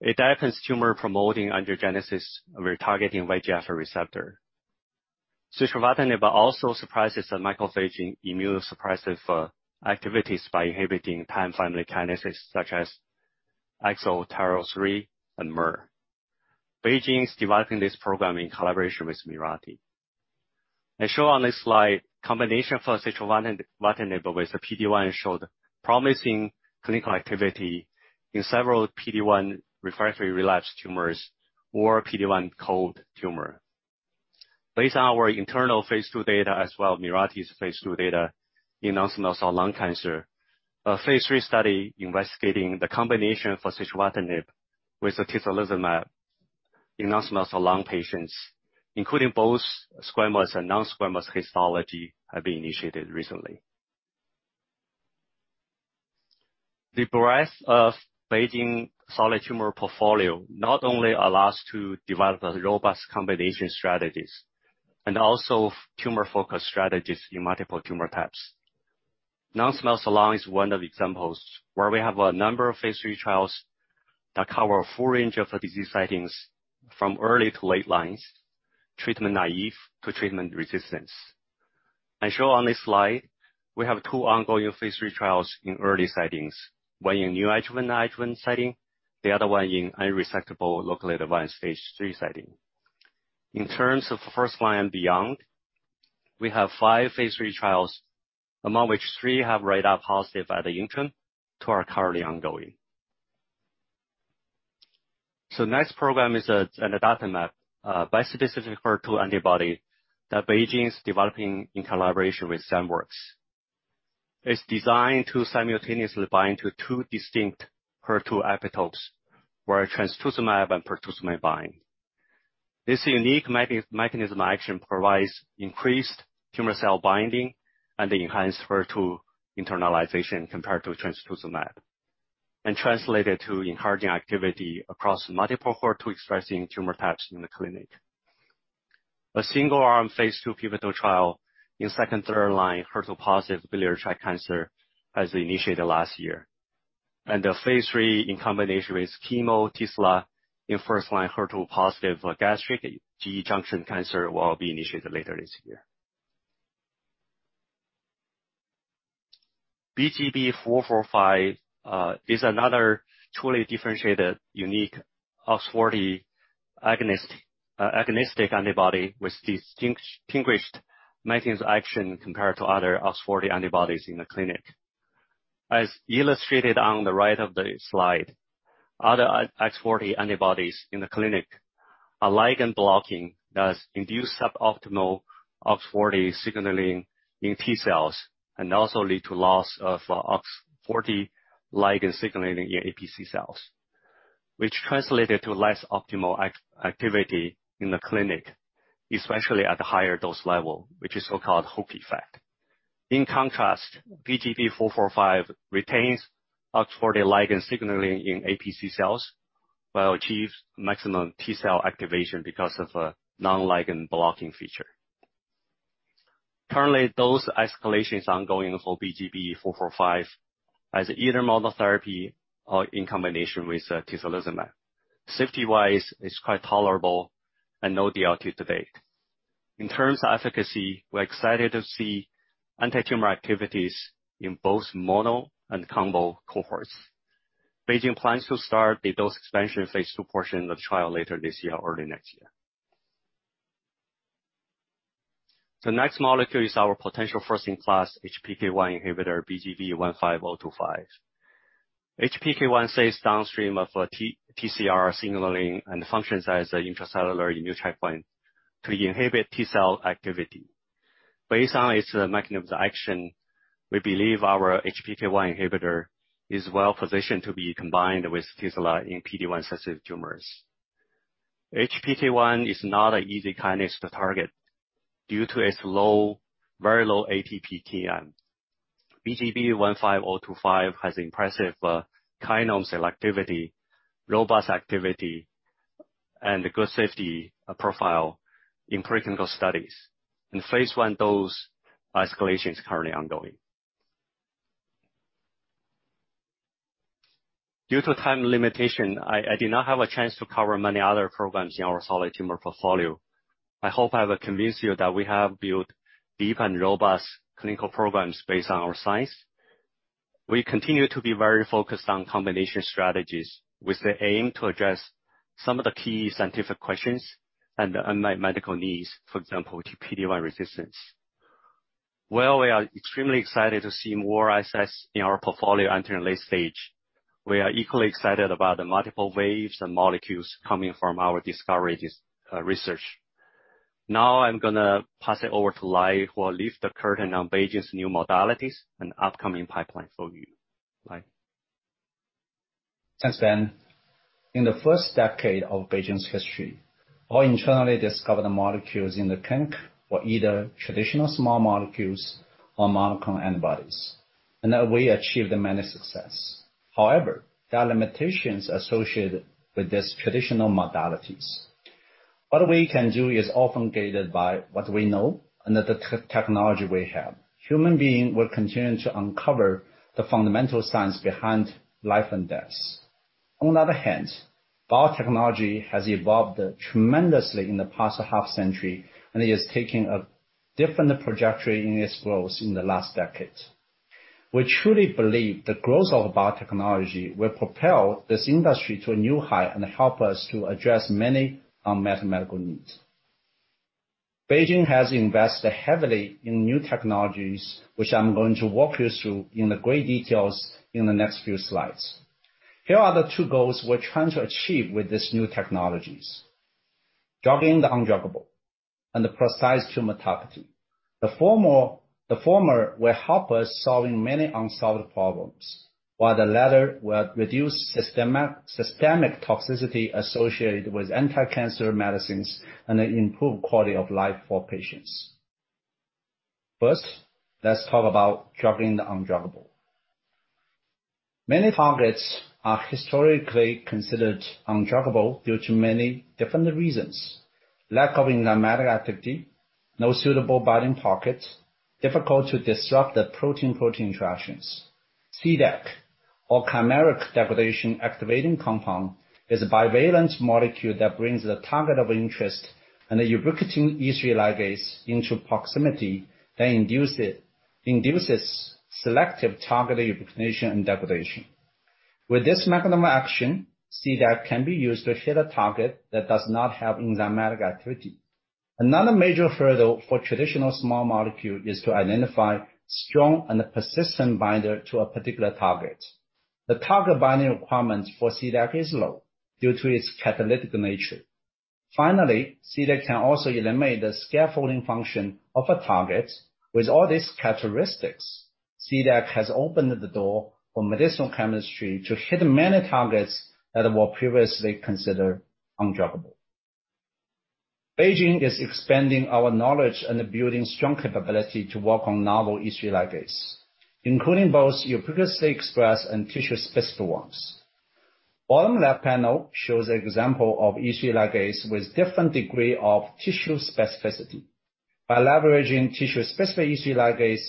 F: It dampens tumor-promoting angiogenesis retargeting VEGF receptor. Sitravatinib also suppresses the macrophage immunosuppressive activities by inhibiting TAM family kinases such as AXL, TYRO3 and MER. BeiGene is developing this program in collaboration with Mirati. As shown on this slide, combination for sitravatinib with a PD-1 showed promising clinical activity in several PD-1 refractory relapse tumors or PD-1 cold tumor. Based on our internal phase II data as well Mirati's phase II data in non-small cell lung cancer, a phase III study investigating the combination for sitravatinib with atezolizumab in non-small cell lung patients, including both squamous and non-squamous histology, have been initiated recently. The breadth of BeiGene solid tumor portfolio not only allows to develop a robust combination strategies and also tumor-focused strategies in multiple tumor types. Non-small cell lung is one of the examples where we have a number of phase III trials that cover a full range of the disease settings from early to late lines, treatment naive to treatment resistance. As shown on this slide, we have two ongoing phase III trials in early settings. One in new adjuvant setting, the other one in unresectable locally advanced phase III setting. In terms of first line and beyond, we have five phase III trials, among which three have read out positive at the interim, two are currently ongoing. Next program is a zanidatamab bispecific HER2 antibody that BeiGene is developing in collaboration with Zymeworks. It's designed to simultaneously bind to two distinct HER2 epitopes where trastuzumab and pertuzumab bind. This unique mechanisms action provides increased tumor cell binding and enhanced HER2 internalization compared to trastuzumab, and translated to enhancing activity across multiple HER2-expressing tumor types in the clinic. A single-arm phase II pivotal trial in second, third line HER2-positive biliary tract cancer was initiated last year. The phase III in combination with chemo tislelizumab in first-line HER2-positive gastric GE junction cancer will be initiated later this year. BGB-A445 is another truly differentiated unique OX40 agonistic antibody with distinguished mechanisms action compared to other OX40 antibodies in the clinic. As illustrated on the right of the slide, other OX40 antibodies in the clinic are ligand blocking, thus induce suboptimal OX40 signaling in T cells and also lead to loss of OX40 ligand signaling in APC cells, which translated to less optimal activity in the clinic, especially at the higher dose level, which is so-called hook effect. In contrast, BGB-A445 retains OX40 ligand signaling in APC cells while achieves maximum T cell activation because of a non-ligand blocking feature. Currently, dose escalation is ongoing for BGB-A445 as either monotherapy or in combination with atezolizumab. Safety-wise, it's quite tolerable and no DLT to date. In terms of efficacy, we're excited to see anti-tumor activities in both mono and combo cohorts. BeiGene plans to start the dose expansion phase II portion of the trial later this year or early next year. The next molecule is our potential first-in-class HPK1 inhibitor, BGB-15025. HPK1 stays downstream of TCR signaling and functions as an intracellular immune checkpoint to inhibit T cell activity. Based on its mechanism of action, we believe our HPK1 inhibitor is well-positioned to be combined with tislelizumab in PD-1-sensitive tumors. HPK1 is not an easy kinase to target due to its very low ATP Km. BGB-15025 has impressive kinase selectivity, robust activity, and a good safety profile in preclinical studies. In phase I, dose escalation is currently ongoing. Due to time limitation, I did not have a chance to cover many other programs in our solid tumor portfolio. I hope I have convinced you that we have built deep and robust clinical programs based on our science. We continue to be very focused on combination strategies with the aim to address some of the key scientific questions and unmet medical needs. For example, to PD-1 resistance. While we are extremely excited to see more assets in our portfolio entering late stage, we are equally excited about the multiple waves and molecules coming from our discovery research. I'm going to pass it over to Lai, who will lift the curtain on BeiGene's new modalities and upcoming pipeline for you. Lai.
D: Thanks, Ben. In the first decade of BeiGene's history, all internally discovered molecules in the clinic were either traditional small molecules or monoclonal antibodies, and that we achieved many success. There are limitations associated with these traditional modalities. What we can do is often guided by what we know and the technology we have. Human beings will continue to uncover the fundamental science behind life and death. Biotechnology has evolved tremendously in the past half-century and is taking a different trajectory in its growth in the last decade. We truly believe the growth of biotechnology will propel this industry to a new high and help us to address many unmet medical needs. BeiGene has invested heavily in new technologies, which I'm going to walk you through in the great details in the next few slides. Here are the two goals we're trying to achieve with these new technologies, drugging the undruggable and precise tumor targeting. The former will help us solving many unsolved problems, while the latter will reduce systemic toxicity associated with anti-cancer medicines and improve quality of life for patients. First, let's talk about drugging the undruggable. Many targets are historically considered undruggable due to many different reasons. Lack of enzymatic activity, no suitable binding pocket, difficult to disrupt the protein-protein interactions. CDAC, or chimeric degradation activating compound, is a bivalent molecule that brings the target of interest and the ubiquitin E3 ligase into proximity that induces selective targeted ubiquitination and degradation. With this mechanism of action, CDAC can be used to hit a target that does not have enzymatic activity. Another major hurdle for traditional small molecule is to identify strong and persistent binder to a particular target. The target binding requirements for CDAC is low due to its catalytic nature. CDAC can also eliminate the scaffolding function of a target. With all these characteristics, CDAC has opened the door for medicinal chemistry to hit many targets that were previously considered undruggable. BeiGene is expanding our knowledge and building strong capability to work on novel E3 ligase, including both ubiquitously expressed and tissue-specific ones. Bottom left panel shows an example of E3 ligase with different degree of tissue specificity. By leveraging tissue-specific E3 ligase,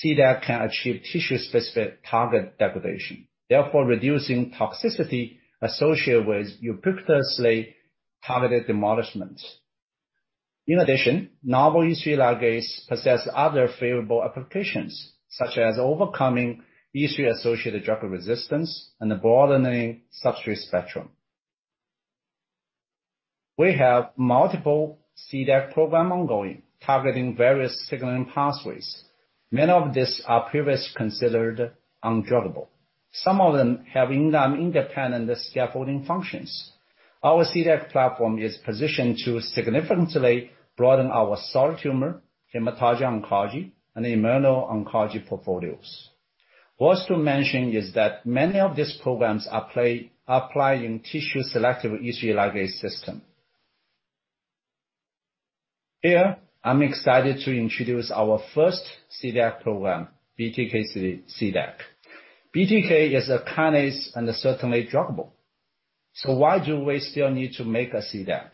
D: CDAC can achieve tissue-specific target degradation, therefore reducing toxicity associated with ubiquitously targeted demolishment. Novel E3 ligase possess other favorable applications, such as overcoming E3-associated drug resistance and broadening substrate spectrum. We have multiple CDAC program ongoing, targeting various signaling pathways. Many of these are previous considered undruggable. Some of them have enzyme-independent scaffolding functions. Our CDAC platform is positioned to significantly broaden our solid tumor, hematology oncology, and immuno-oncology portfolios. Worth to mention is that many of these programs apply in tissue-selective E3 ligase system. Here, I'm excited to introduce our first CDAC program, BTK CDAC. BTK is a kinase and certainly druggable. Why do we still need to make a CDAC?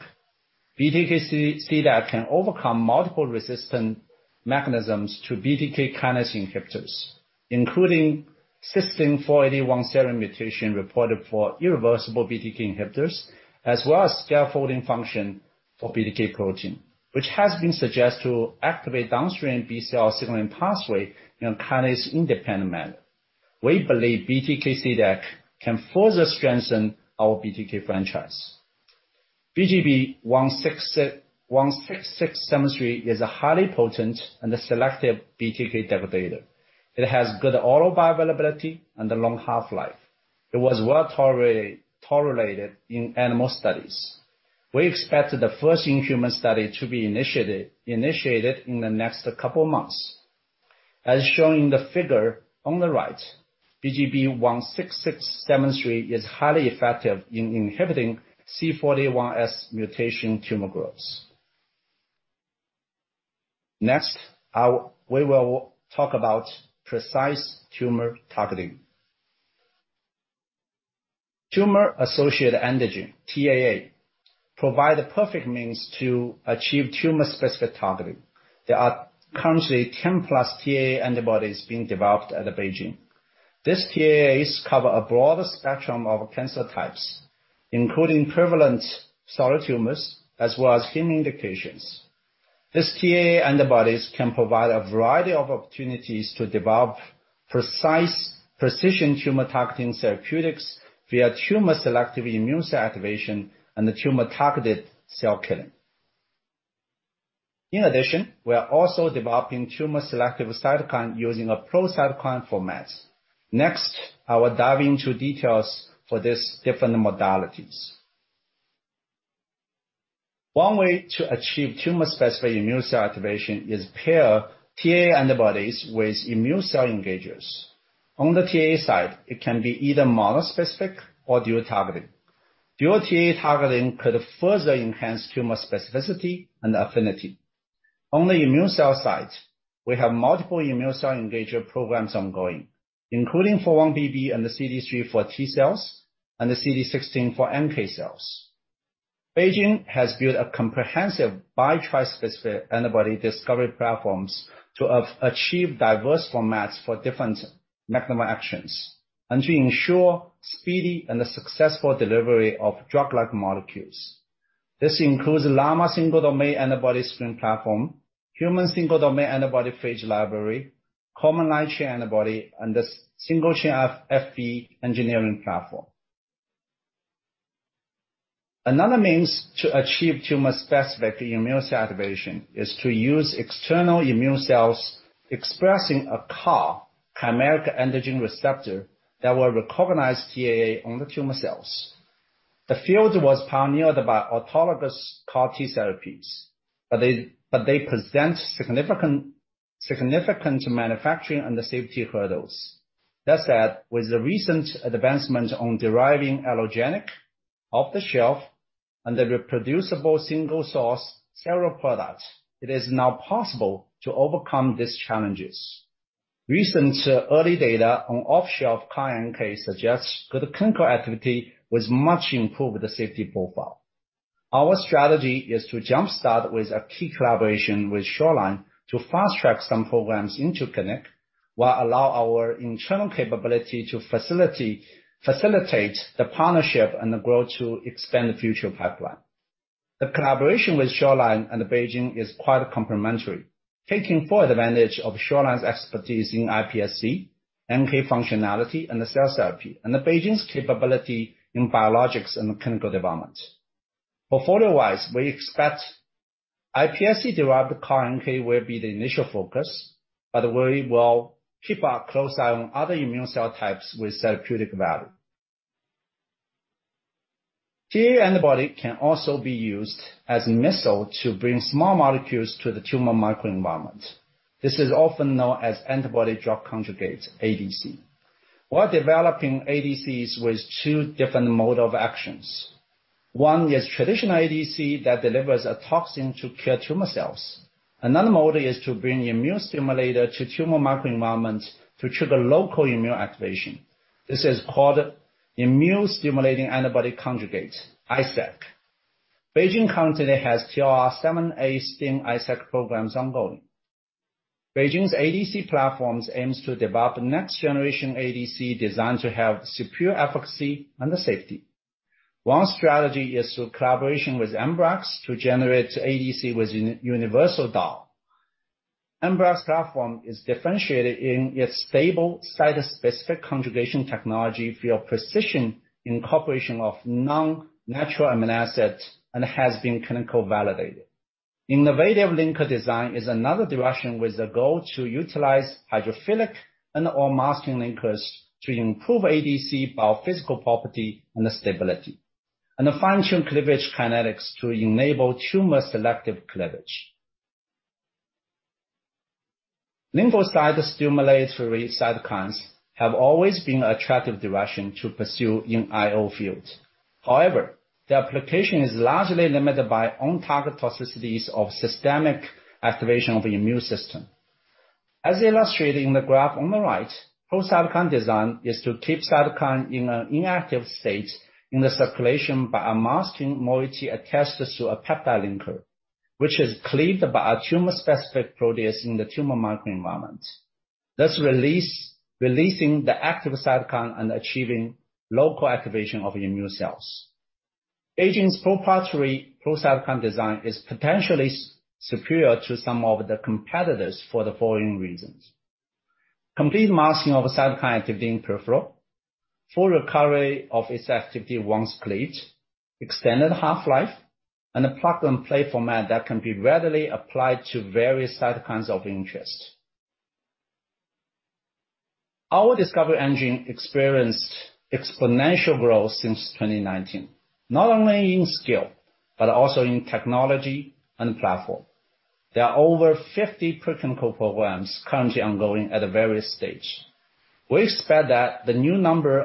D: BTK CDAC can overcome multiple resistant mechanisms to BTK kinase inhibitors, including cysteine-481-serine mutation reported for irreversible BTK inhibitors, as well as scaffolding function for BTK protein, which has been suggested to activate downstream BCL signaling pathway in a kinase-independent manner. We believe BTK CDAC can further strengthen our BTK franchise. BGB-16673 is a highly potent and selective BTK degrader. It has good oral bioavailability and a long half-life. It was well-tolerated in animal studies. We expect the first in-human study to be initiated in the next couple of months. As shown in the figure on the right, BGB-16673 is highly effective in inhibiting C481S mutation tumor growth. We will talk about precise tumor targeting. Tumor-associated antigen, TAA, provide a perfect means to achieve tumor-specific targeting. There are currently 10+ TAA antibodies being developed at BeiGene. These TAAs cover a broad spectrum of cancer types, including prevalent solid tumors as well as heme indications. These TAA antibodies can provide a variety of opportunities to develop precise precision tumor-targeting therapeutics via tumor-selective immune cell activation and tumor-targeted cell killing. In addition, we are also developing tumor-selective cytokine using a pro-cytokine format. I will dive into details for these different modalities. One way to achieve tumor-specific immune cell activation is pair TAA antibodies with immune cell engagers. On the TAA side, it can be either mono-specific or dual targeting. Dual TAA targeting could further enhance tumor specificity and affinity. On the immune cell side, we have multiple immune cell engager programs ongoing, including 4-1BB and the CD3 for T cells, and the CD16 for NK cells. BeiGene has built a comprehensive bispecific antibody discovery platforms to achieve diverse formats for different mechanism actions and to ensure speedy and successful delivery of drug-like molecules. This includes llama single-domain antibody screen platform, human single-domain antibody phage library, common light chain antibody, and the single chain Fv engineering platform. Another means to achieve tumor-specific immune cell activation is to use external immune cells expressing a CAR, chimeric antigen receptor, that will recognize TAA on the tumor cells. The field was pioneered by autologous CAR T therapies, but they present significant manufacturing and safety hurdles. That said, with the recent advancement on deriving allogeneic off-the-shelf and the reproducible single source sterile product, it is now possible to overcome these challenges. Recent early data on off-the-shelf CAR-NK suggests good clinical activity with much improved safety profile. Our strategy is to jumpstart with a key collaboration with Shoreline to fast-track some programs into clinic, while allow our internal capability to facilitate the partnership and the growth to expand the future pipeline. The collaboration with Shoreline and BeiGene is quite complementary, taking full advantage of Shoreline's expertise in iPSC, NK functionality, and cell therapy, and BeiGene's capability in biologics and clinical development. Portfolio-wise, we expect iPSC-derived CAR-NK will be the initial focus, but we will keep a close eye on other immune cell types with therapeutic value. TAA antibody can also be used as a missile to bring small molecules to the tumor microenvironment. This is often known as antibody-drug conjugates, ADC. We are developing ADCs with two different mode of actions. One is traditional ADC that delivers a toxin to kill tumor cells. Another mode is to bring immune stimulator to tumor microenvironments to trigger local immune activation. This is called immune stimulating antibody conjugates, ISAC. BeiGene currently has TLR7 agonist ISAC programs ongoing. BeiGene's ADC platforms aims to develop next-generation ADC designed to have superior efficacy and safety. One strategy is through collaboration with Ambrx to generate ADC with universal DAR. Ambrx platform is differentiated in its stable, site-specific conjugation technology for your precision incorporation of non-natural amino acids and has been clinical validated. Innovative linker design is another direction with the goal to utilize hydrophilic and/or masking linkers to improve ADC biophysical property and stability, and function cleavage kinetics to enable tumor-selective cleavage. Lymphocyte stimulatory cytokines have always been attractive direction to pursue in IO fields. However, the application is largely limited by on-target toxicities of systemic activation of the immune system. As illustrated in the graph on the right, pro-cytokine design is to keep cytokine in an inactive state in the circulation by a masking moiety attached to a peptide linker, which is cleaved by a tumor-specific protease in the tumor microenvironment, thus releasing the active cytokine and achieving local activation of immune cells. BeiGene's proprietary pro-cytokine design is potentially superior to some of the competitors for the following reasons. Complete masking of cytokine activity in peripheral, full recovery of its activity once cleared, extended half-life, and a plug-and-play format that can be readily applied to various cytokines of interest. Our discovery engine experienced exponential growth since 2019, not only in scale, but also in technology and platform. There are over 50 preclinical programs currently ongoing at various stage. We expect that the number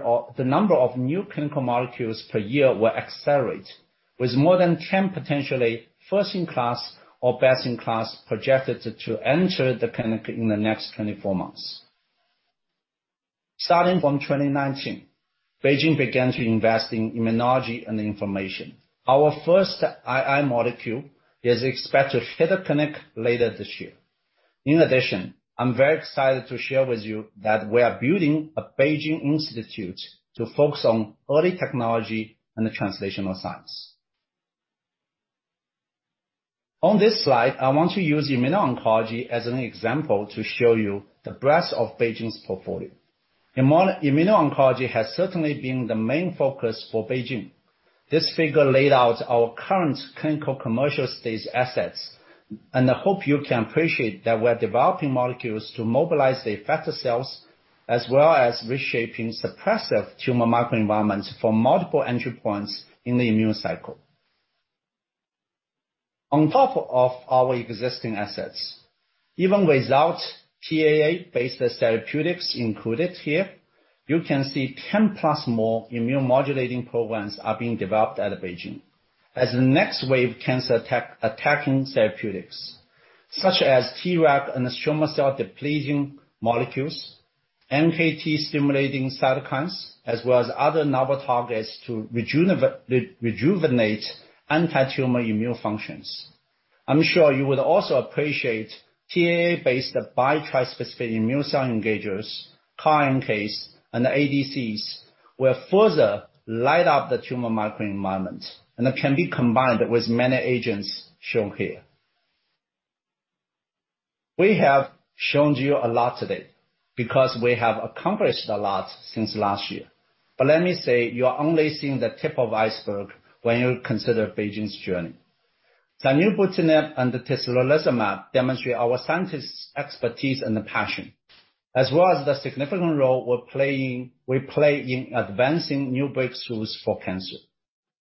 D: of new clinical molecules per year will accelerate, with more than 10 potentially first-in-class or best-in-class projected to enter the clinic in the next 24 months. Starting from 2019, BeiGene began to invest in immunology and inflammation. Our first II molecule is expected to hit the clinic later this year. In addition, I'm very excited to share with you that we are building a BeiGene institute to focus on early technology and translational science. On this slide, I want to use immuno-oncology as an example to show you the breadth of BeiGene's portfolio. Immuno-oncology has certainly been the main focus for BeiGene. This figure laid out our current clinical commercial stage assets. I hope you can appreciate that we're developing molecules to mobilize the effector cells, as well as reshaping suppressive tumor microenvironments for multiple entry points in the immune cycle. On top of our existing assets, even without TAA-based therapeutics included here, you can see 10+ more immunomodulating programs are being developed out of BeiGene as the next wave of cancer-attacking therapeutics, such as TRAC and tumor cell depleting molecules, NKT-stimulating cytokines, as well as other novel targets to rejuvenate anti-tumor immune functions. I'm sure you would also appreciate TAA-based bispecific immune cell engagers, CAR-NKs, and ADCs will further light up the tumor microenvironment, and can be combined with many agents shown here. We have shown you a lot today because we have accomplished a lot since last year. Let me say, you are only seeing the tip of iceberg when you consider BeiGene's journey. zanubrutinib and tislelizumab demonstrate our scientists' expertise and passion, as well as the significant role we play in advancing new breakthroughs for cancer.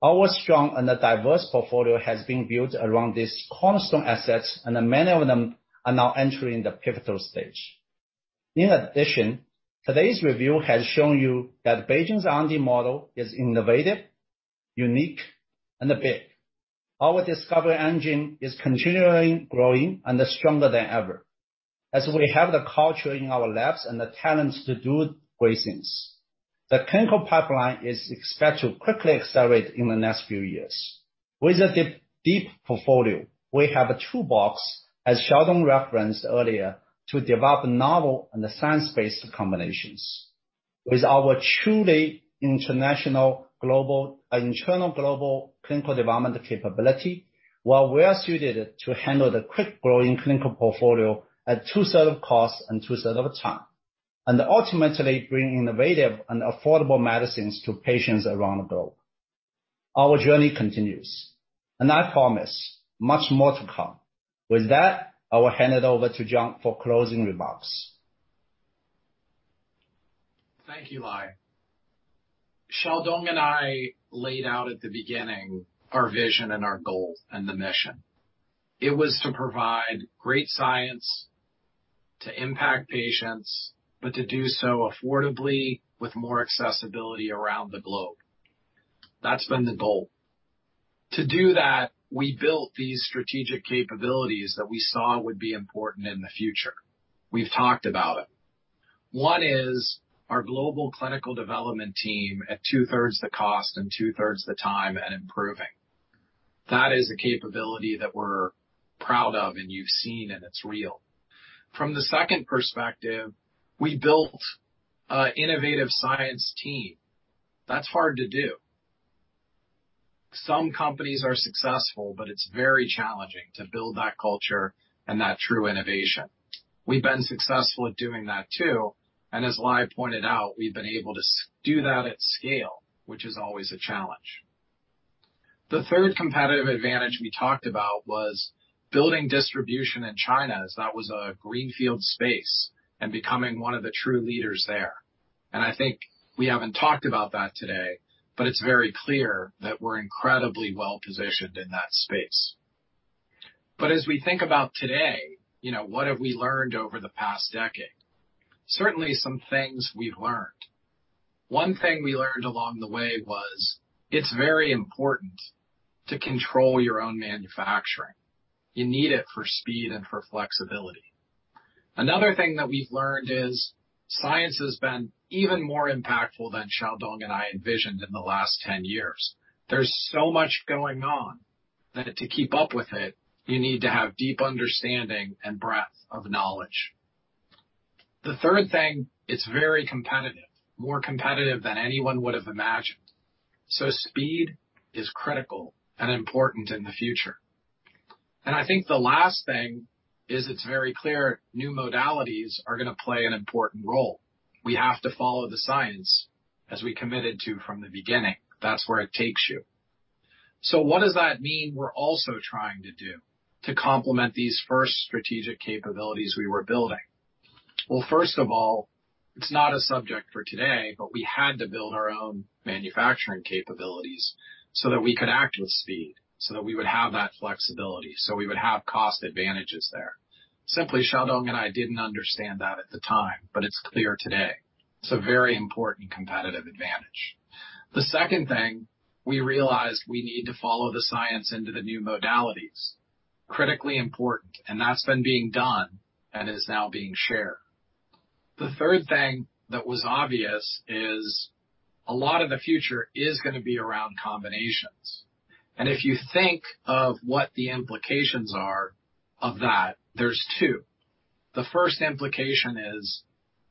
D: Our strong and diverse portfolio has been built around these cornerstone assets, and many of them are now entering the pivotal stage. In addition, today's review has shown you that BeiGene's R&D model is innovative, unique, and big. Our discovery engine is continually growing and is stronger than ever, as we have the culture in our labs and the talents to do great things. The clinical pipeline is expected to quickly accelerate in the next few years. With a deep portfolio, we have a toolbox, as Xiaodong referenced earlier, to develop novel and science-based combinations. With our truly internal global clinical development capability, while we are suited to handle the quick-growing clinical portfolio at two-third of cost and two-third of time, ultimately bring innovative and affordable medicines to patients around the globe. Our journey continues, I promise much more to come. With that, I will hand it over to John for closing remarks.
B: Thank you, Lai. Xiaodong and I laid out at the beginning our vision and our goals and the mission. It was to provide great science to impact patients, to do so affordably with more accessibility around the globe. That's been the goal. To do that, we built these strategic capabilities that we saw would be important in the future. We've talked about it. One is our global clinical development team at two-thirds the cost and two-thirds the time, improving. That is a capability that we're proud of, you've seen, and it's real. From the second perspective, we built an innovative science team. That's hard to do. Some companies are successful, it's very challenging to build that culture and that true innovation. We've been successful at doing that, too, as Lai pointed out, we've been able to do that at scale, which is always a challenge. The third competitive advantage we talked about was building distribution in China, as that was a greenfield space, becoming one of the true leaders there. I think we haven't talked about that today, it's very clear that we're incredibly well-positioned in that space. As we think about today, what have we learned over the past decade? Certainly, some things we've learned. One thing we learned along the way was it's very important to control your own manufacturing. You need it for speed and for flexibility. Another thing that we've learned is science has been even more impactful than Xiaodong and I envisioned in the last 10 years. There's so much going on that to keep up with it, you need to have deep understanding and breadth of knowledge. The third thing, it's very competitive, more competitive than anyone would have imagined. Speed is critical and important in the future. I think the last thing is it's very clear new modalities are going to play an important role. We have to follow the science, as we committed to from the beginning. That's where it takes you. What does that mean we're also trying to do to complement these first strategic capabilities we were building? Well, first of all, it's not a subject for today, but we had to build our own manufacturing capabilities so that we could act with speed, so that we would have that flexibility, so we would have cost advantages there. Simply, Xiaodong and I didn't understand that at the time, but it's clear today. It's a very important competitive advantage. The second thing, we realized we need to follow the science into the new modalities. Critically important, and that's been being done and is now being shared. The third thing that was obvious is a lot of the future is going to be around combinations. If you think of what the implications are of that, there's two. The first implication is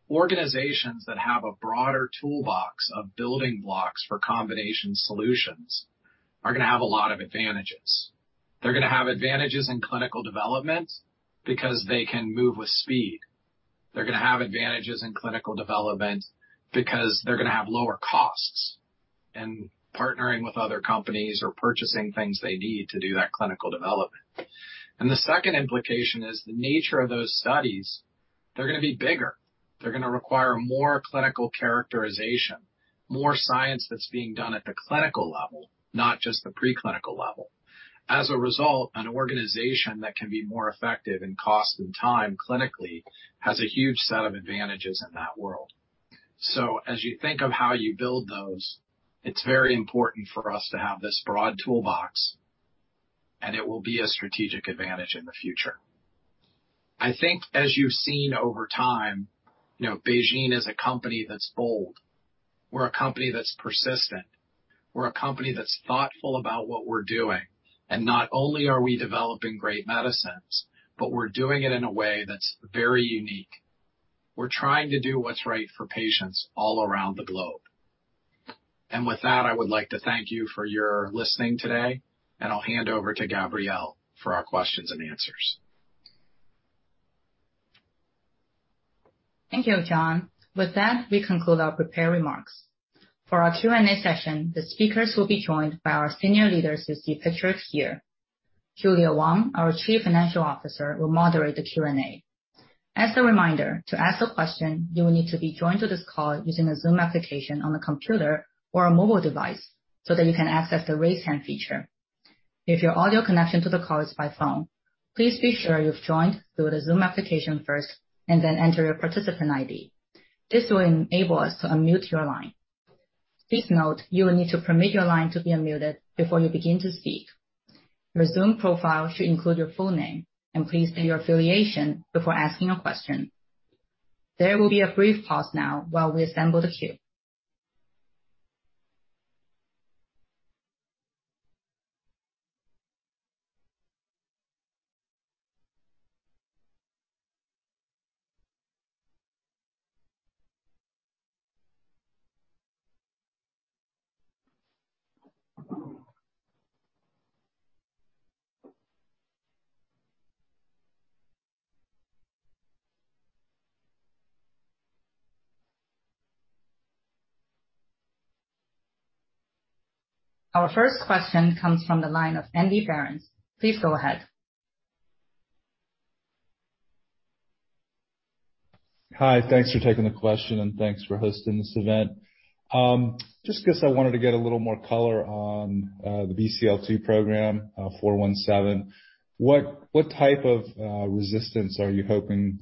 B: organizations that have a broader toolbox of building blocks for combination solutions are going to have a lot of advantages. They're going to have advantages in clinical development because they can move with speed. They're going to have advantages in clinical development because they're going to have lower costs in partnering with other companies or purchasing things they need to do that clinical development. The second implication is the nature of those studies, they're going to be bigger. They're going to require more clinical characterization, more science that's being done at the clinical level, not just the preclinical level. As a result, an organization that can be more effective in cost and time clinically has a huge set of advantages in that world. As you think of how you build those, it's very important for us to have this broad toolbox, and it will be a strategic advantage in the future. I think as you've seen over time, BeOne Medicines is a company that's bold. We're a company that's persistent. We're a company that's thoughtful about what we're doing. Not only are we developing great medicines, but we're doing it in a way that's very unique. We're trying to do what's right for patients all around the globe. With that, I would like to thank you for your listening today, and I'll hand over to Gabrielle for our questions and answers.
A: Thank you, John. With that, we conclude our prepared remarks. For our Q&A session, the speakers will be joined by our senior leaders you see pictured here. Julia Wang, our Chief Financial Officer, will moderate the Q&A. As a reminder, to ask a question, you will need to be joined to this call using the Zoom application on a computer or a mobile device so that you can access the Raise Hand feature. If your audio connection to the call is by phone, please be sure you've joined through the Zoom application first and then enter your participant ID. This will enable us to unmute your line. Please note you will need to permit your line to be unmuted before you begin to speak. Your Zoom profile should include your full name, and please state your affiliation before asking a question. There will be a brief pause now while we assemble the queue. Our first question comes from the line of Andrew Behrens. Please go ahead.
G: Hi. Thanks for taking the question, and thanks for hosting this event. Just because I wanted to get a little more color on the BCL-2 program, four one seven, what type of resistance are you hoping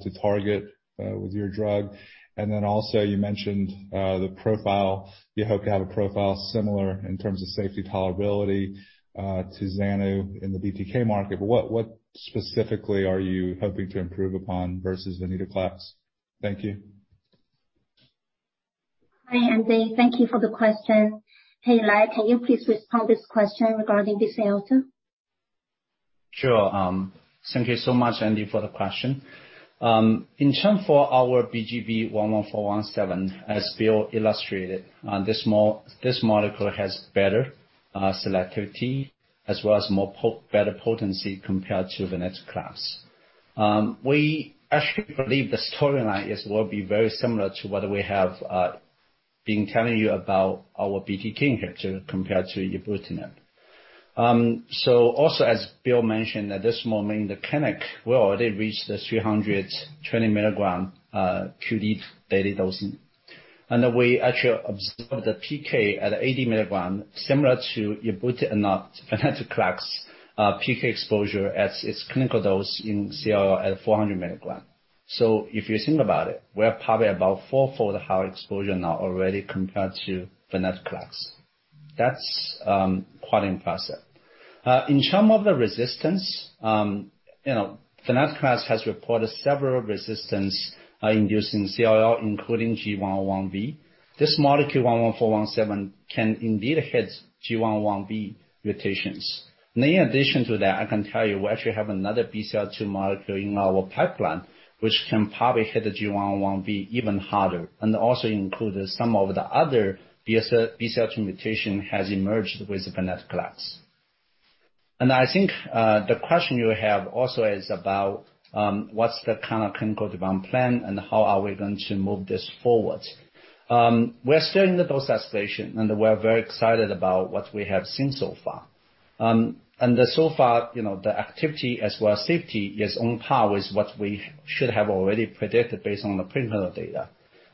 G: to target with your drug? Then also you mentioned you hope to have a profile similar in terms of safety tolerability to Xano in the BTK market, but what specifically are you hoping to improve upon versus venetoclax? Thank you.
A: Hi, Andy. Thank you for the question. Hey, Lai, can you please respond to this question regarding BCL-2?
D: Sure. Thank you so much, Andy, for the question. In terms for our BGB-11417, as Bill illustrated, this molecule has better selectivity as well as better potency compared to venetoclax. We actually believe the tolerance will be very similar to what we have been telling you about our BTK inhibitor compared to ibrutinib. Also, as Bill mentioned, at this moment, the clinic will already reach the 320 milligram QD daily dosing. We actually observed the PK at 80 milligram, similar to ibrutinib, venetoclax PK exposure at its clinical dose in CR at 400 milligram. If you think about it, we are probably about fourfold higher exposure now already compared to venetoclax. That's quite impressive. In some of the resistance, venetoclax has reported several resistance in using CLL, including G101V. This molecule, one one four one seven, can indeed hit G101V mutations. In addition to that, I can tell you we actually have another BCL-2 molecule in our pipeline, which can probably hit the G101V even harder, and also includes some of the other BCL-2 mutation has emerged with the venetoclax. I think the question you have also is about what's the kind of clinical development plan and how are we going to move this forward. We're still in the dose escalation, and we are very excited about what we have seen so far. So far, the activity as well as safety is on par with what we should have already predicted based on the preclinical data.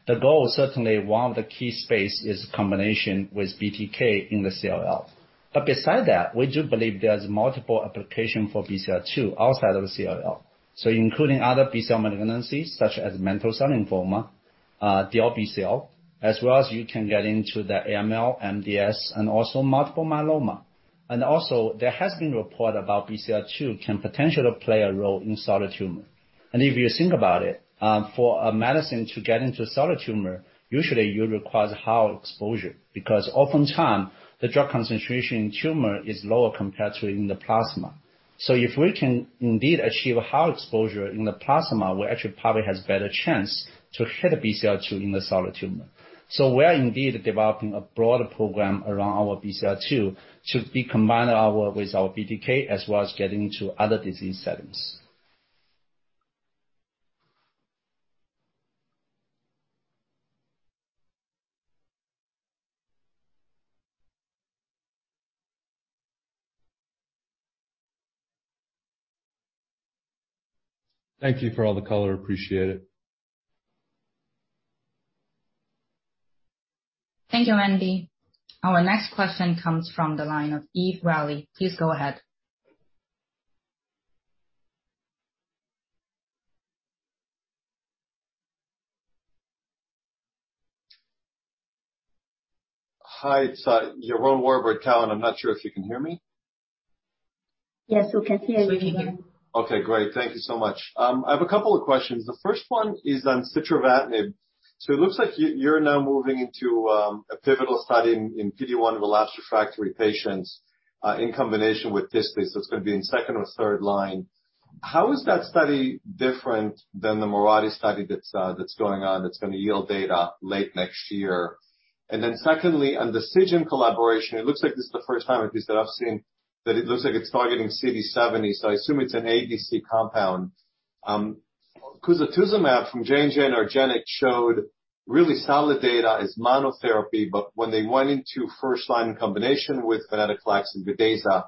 D: The goal, certainly one of the key space, is combination with BTK in the CLL. Beside that, we do believe there's multiple application for BCL-2 outside of the CLL. Including other B-cell malignancies such as mantle cell lymphoma, DLBCL, as well as you can get into the AML, MDS, and also multiple myeloma. Also, there has been report about BCL-2 can potentially play a role in solid tumor. If you think about it, for a medicine to get into solid tumor, usually you require high exposure, because oftentimes, the drug concentration in tumor is lower compared to in the plasma. If we can indeed achieve a high exposure in the plasma, we actually probably have better chance to hit BCL-2 in the solid tumor. We are indeed developing a broader program around our BCL-2 to be combined with our BTK, as well as get into other disease settings.
G: Thank you for all the color. Appreciate it.
H: Thank you, Andy. Our next question comes from the line of Eve Raleigh. Please go ahead.
I: Hi, it's Yaron Werber. I'm not sure if you can hear me.
H: Yes, we can hear you.
D: We can hear. Okay, great. Thank you so much. I have a couple of questions. The first one is on sitravatinib. It looks like you're now moving into a pivotal study in PD-1 refractory patients, in combination with this. It's going to be in second or third line. How is that study different than the Mirati study that's going on, that's going to yield data late next year? Then secondly, on the Seagen collaboration, it looks like this is the first time, at least that I've seen, that it looks like it's targeting CD70, I assume it's an ADC compound.
I: Crizotuzumab from JNJ and argenx showed really solid data as monotherapy, but when they went into first line in combination with venetoclax and VITEZZA,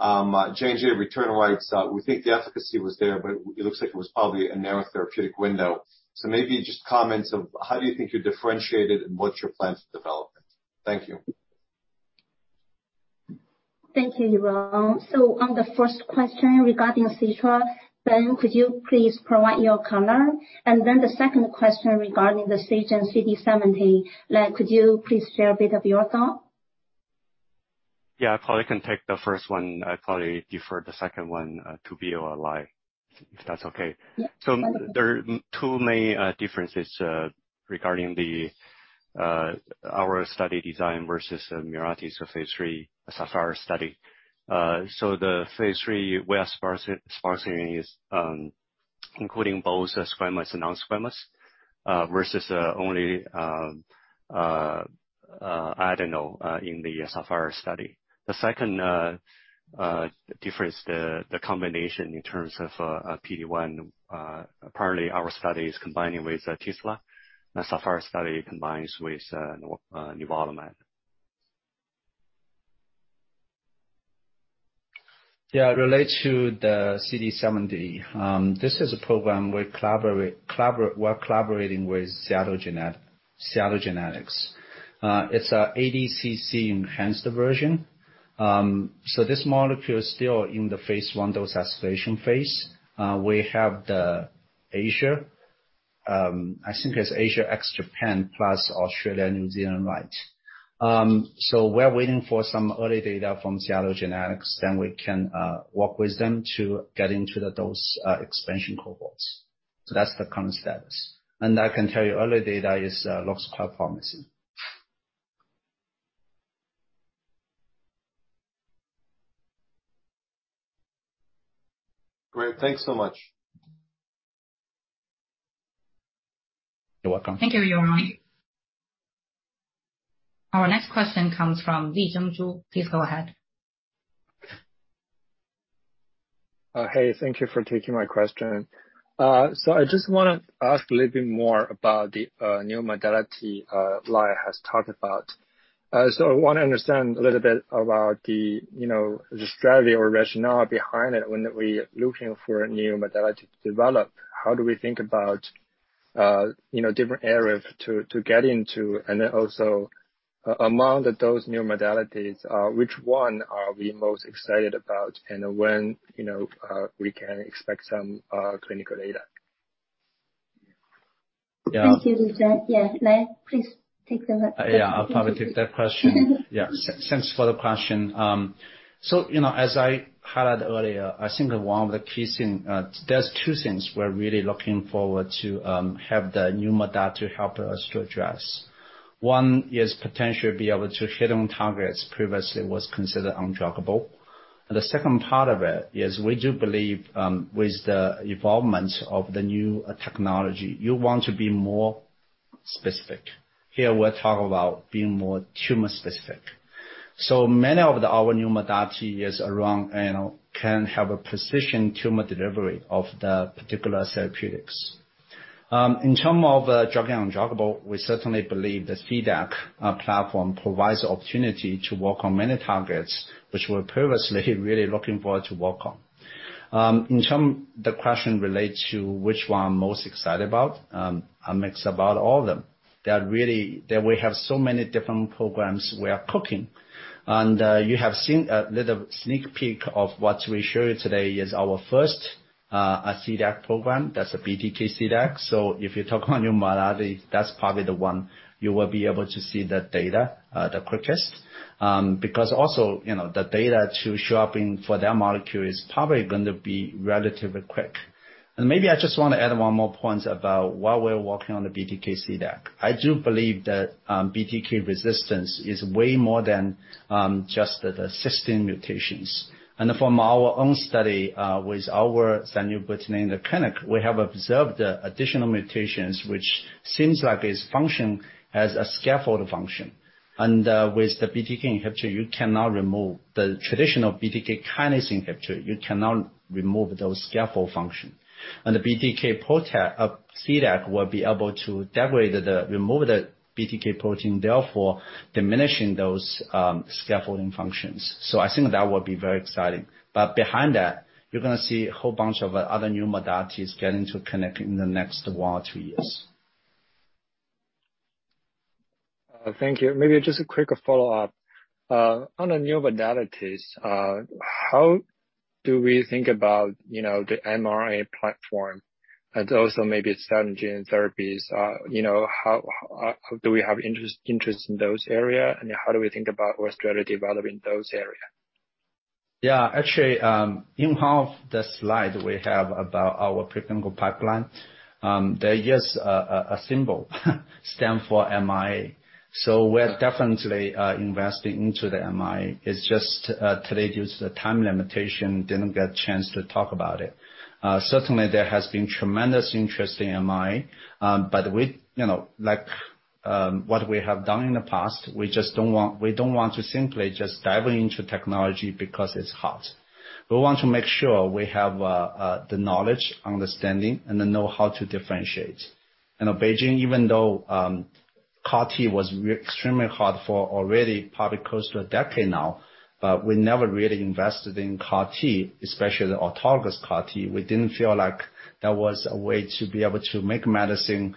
I: JNJ returned and writes, "We think the efficacy was there, but it looks like it was probably a narrow therapeutic window." Maybe just comments of how you think you differentiate it, and what's your plan to develop it. Thank you.
H: Thank you, Yaron. On the first question regarding sitra, Ben, could you please provide your comment? The second question regarding the Seagen CD70, Lai, could you please share a bit of your thought?
F: I probably can take the first one. I'll probably defer the second one to Leo or Lai, if that's okay.
H: Yeah.
F: There are two main differences regarding our study design versus Mirati's phase III SAPPHIRE study. The phase III we are sponsoring is including both squamous and non-squamous, versus only adenoid in the SAPPHIRE study. The second difference, the combination in terms of PD-1, apparently our study is combining with Tisla. The SAPPHIRE study combines with nivolumab.
D: Yeah. Relates to the CD70. This is a program we're collaborating with Seattle Genetics. It's ADCC-enhanced version. This molecule is still in the phase I dose escalation phase. We have the Asia. I think it's Asia ex-Japan, plus Australia and New Zealand, right? That's the current status. I can tell you, early data looks quite promising.
I: Great. Thanks so much.
H: You're welcome. Thank you, Yaron. Our next question comes from Zhengzhuo Li. Please go ahead.
J: Thank you for taking my question. I just want to ask a little bit more about the new modality Lai has talked about. I want to understand a little bit about the strategy or rationale behind it when we are looking for a new modality to develop. How do we think about different areas to get into? Among those new modalities, which one are we most excited about, and when we can expect some clinical data?
H: Thank you, Lisa. Lai, please take the-
D: I'll probably take that question. Thanks for the question. As I highlighted earlier, I think that one of the key things-- There's two things we're really looking forward to have the new modality help us to address. One is potentially be able to hit on targets previously was considered undruggable. The second part of it is we do believe, with the evolvement of the new technology, you want to be more specific. Here, we'll talk about being more tumor specific. Many of our new modality is around can have a precision tumor delivery of the particular therapeutics. In terms of drug undruggable, we certainly believe the CDAC platform provides the opportunity to work on many targets which were previously really looking forward to work on. In terms, the question relates to which one I'm most excited about. I'm excited about all of them. We have so many different programs we are cooking. You have seen a little sneak peek of what we show you today is our first CDAC program. That's a BTK CDAC. If you talk on new modality, that's probably the one you will be able to see the data, the quickest. The data to show up for that molecule is probably going to be relatively quick. Maybe I just want to add one more point about while we're working on the BTK CDAC. I do believe that BTK resistance is way more than just the cysteine mutations. From our own study with our zanubrutinib in the clinic, we have observed additional mutations which seems like it's function as a scaffold function. With the BTK inhibitor, you cannot remove the traditional BTK kinase inhibitor, you cannot remove those scaffold function. The BTK protea of CDAC will be able to degrade, remove the BTK protein, therefore diminishing those scaffolding functions. I think that would be very exciting. Behind that, you're going to see a whole bunch of other new modalities getting to connect in the next one or two years.
J: Thank you. Maybe just a quick follow-up. On the new modalities, how do we think about the mRNA platform and also maybe some gene therapies? Do we have interest in those area, and how do we think about our strategy developing those area?
D: Actually, in half the slide we have about our preclinical pipeline, there is a symbol stand for mRNA. We're definitely investing into the mRNA. It's just today due to the time limitation, didn't get chance to talk about it. Certainly, there has been tremendous interest in mRNA, like what we have done in the past, we don't want to simply just dive into technology because it's hot. We want to make sure we have the knowledge, understanding, and the know-how to differentiate. In BeiGene, even though CAR T was extremely hot for already probably close to a decade now, we never really invested in CAR T, especially the autologous CAR T. We didn't feel like that was a way to be able to make medicine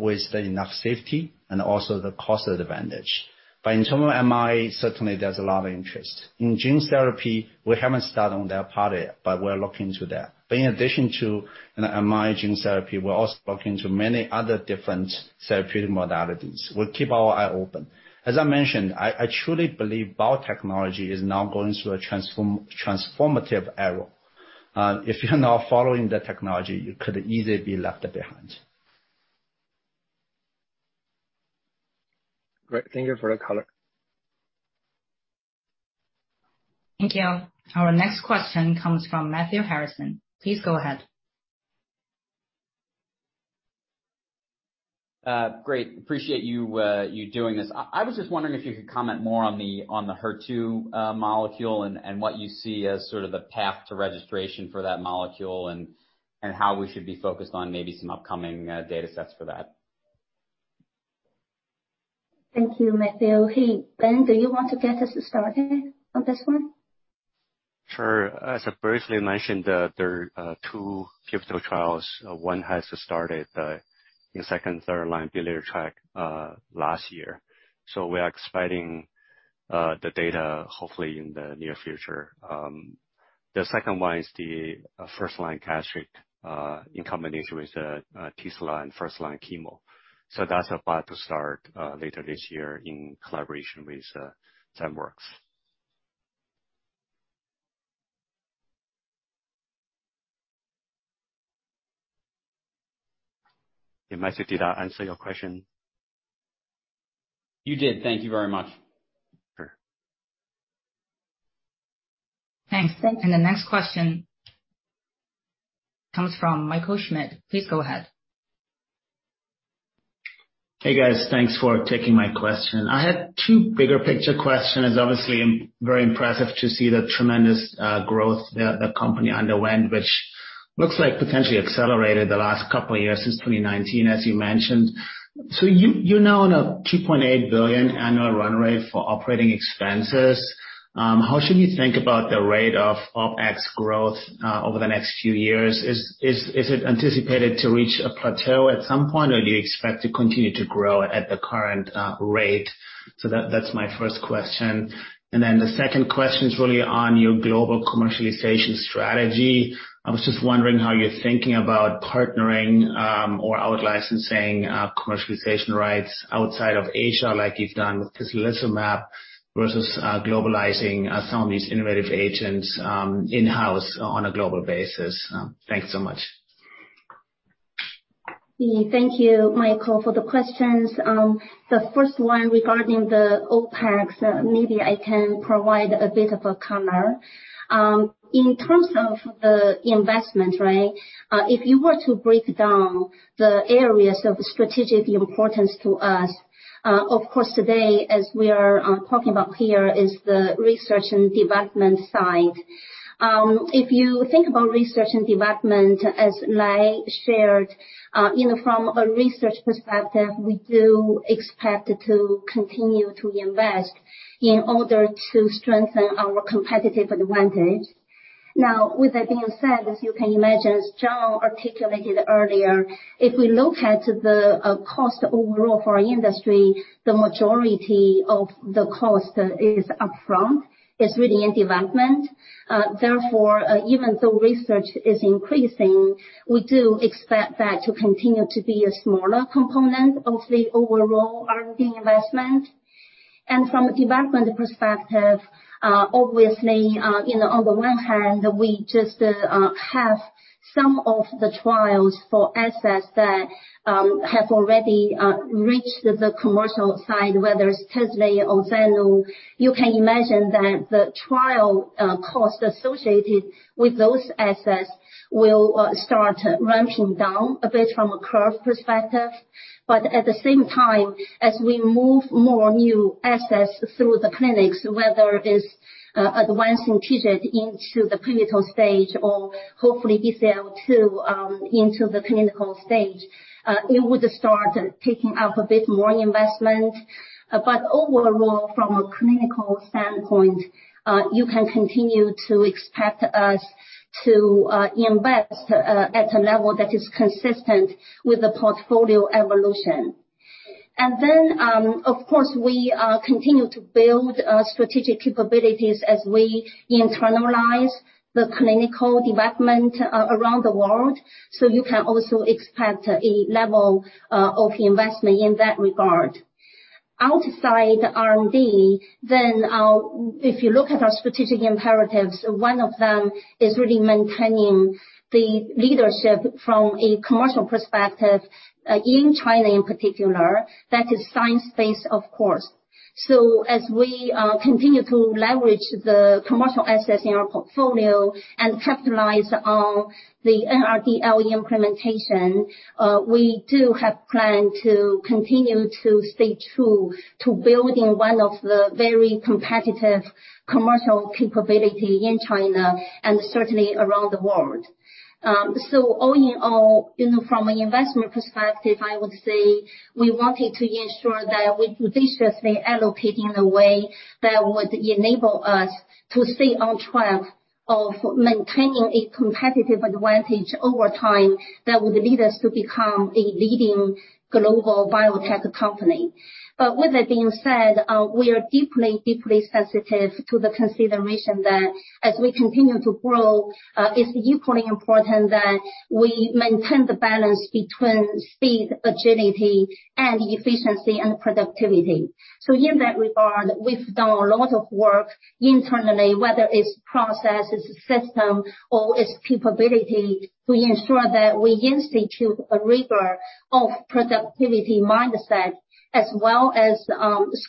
D: with enough safety and also the cost advantage. In term of mRNA, certainly, there's a lot of interest. In gene therapy, we haven't started on that part yet, we're looking into that. In addition to mRNA gene therapy, we're also looking into many other different therapeutic modalities. We'll keep our eye open. As I mentioned, I truly believe biotechnology is now going through a transformative era. If you're not following the technology, you could easily be left behind.
J: Great. Thank you for the color.
A: Thank you. Our next question comes from Matthew Harrison. Please go ahead.
K: Great. Appreciate you doing this. I was just wondering if you could comment more on the HER2 molecule and what you see as sort of the path to registration for that molecule, and how we should be focused on maybe some upcoming data sets for that.
H: Thank you, Matthew. Hey, Ben, do you want to get us started on this one?
F: Sure. As I briefly mentioned, there are two pivotal trials. One has started, in second, third line biliary tract last year. We are expecting the data hopefully in the near future. The second one is the first-line gastric, in combination with the tisla and first-line chemo. That's about to start later this year in collaboration with Zymeworks. Yeah, Matthew, did I answer your question?
K: You did. Thank you very much.
D: Sure.
A: Thanks. The next question comes from Michael Schmidt. Please go ahead.
L: Hey, guys. Thanks for taking my question. I had two bigger picture question, as obviously I'm very impressive to see the tremendous growth the company underwent, which looks like potentially accelerated the last couple of years since 2019, as you mentioned. You're now on a $2.8 billion annual run rate for operating expenses. How should we think about the rate of OpEx growth over the next few years? Is it anticipated to reach a plateau at some point, or do you expect to continue to grow at the current rate? That's my first question. Then the second question is really on your global commercialization strategy. I was just wondering how you're thinking about partnering or out-licensing commercialization rights outside of Asia like you've done with tislelizumab versus globalizing some of these innovative agents in-house on a global basis. Thanks so much.
H: Thank you, Michael, for the questions. The first one regarding the OpEx, maybe I can provide a bit of a color. In terms of the investment, if you were to break down the areas of strategic importance to us, of course, today, as we are talking about here, is the research and development side. If you think about research and development, as Lai shared, from a research perspective, we do expect to continue to invest in order to strengthen our competitive advantage. With that being said, as you can imagine, as John articulated earlier, if we look at the cost overall for our industry, the majority of the cost is upfront. It is really in development. Even though research is increasing, we do expect that to continue to be a smaller component of the overall R&D investment. From a development perspective, obviously, on the one hand, we just have some of the trials for assets that have already reached the commercial side, whether it is tislelizumab or zanubrutinib. You can imagine that the trial cost associated with those assets will start ramping down a bit from a curve perspective. At the same time, as we move more new assets through the clinics, whether it is advancing TJ into the clinical stage or hopefully DFL2 into the clinical stage, it would start taking up a bit more investment. Overall, from a clinical standpoint, you can continue to expect us to invest at a level that is consistent with the portfolio evolution. Of course, we continue to build strategic capabilities as we internalize the clinical development around the world. You can also expect a level of investment in that regard. Outside R&D, if you look at our strategic imperatives, one of them is really maintaining the leadership from a commercial perspective in China in particular, that is science-based, of course. As we continue to leverage the commercial assets in our portfolio and capitalize on the NRDL implementation, we do have plan to continue to stay true to building one of the very competitive commercial capability in China and certainly around the world. All in all, from an investment perspective, I would say we wanted to ensure that we judiciously allocate in a way that would enable us to stay on track of maintaining a competitive advantage over time that would lead us to become a leading global biotech company. With that being said, we are deeply sensitive to the consideration that as we continue to grow, it is equally important that we maintain the balance between speed, agility, and efficiency and productivity. In that regard, we have done a lot of work internally, whether it is process, it is system, or it is capability, to ensure that we institute a rigor of productivity mindset as well as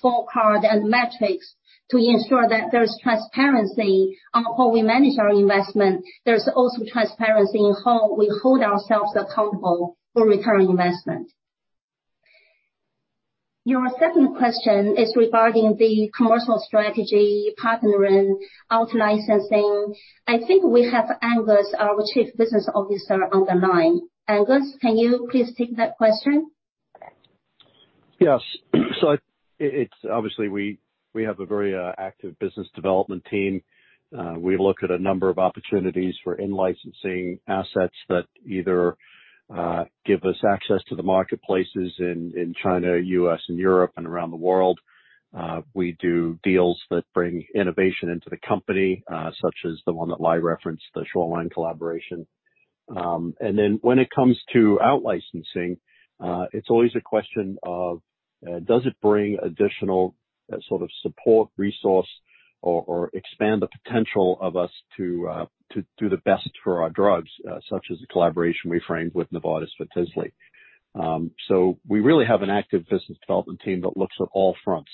H: scorecard and metrics to ensure that there is transparency on how we manage our investment. There is also transparency in how we hold ourselves accountable for return on investment. Your second question is regarding the commercial strategy, partnering, out-licensing. I think we have Angus, our Chief Business Executive, on the line. Angus, can you please take that question?
M: Yes. Obviously, we have a very active business development team. We look at a number of opportunities for in-licensing assets that either give us access to the marketplaces in China, the U.S., and Europe, and around the world. We do deals that bring innovation into the company, such as the one that Lai referenced, the Shoreline collaboration. Then when it comes to out-licensing, it's always a question of does it bring additional sort of support resource or expand the potential of us to do the best for our drugs, such as the collaboration we framed with Novartis for tislelizumab. We really have an active business development team that looks at all fronts.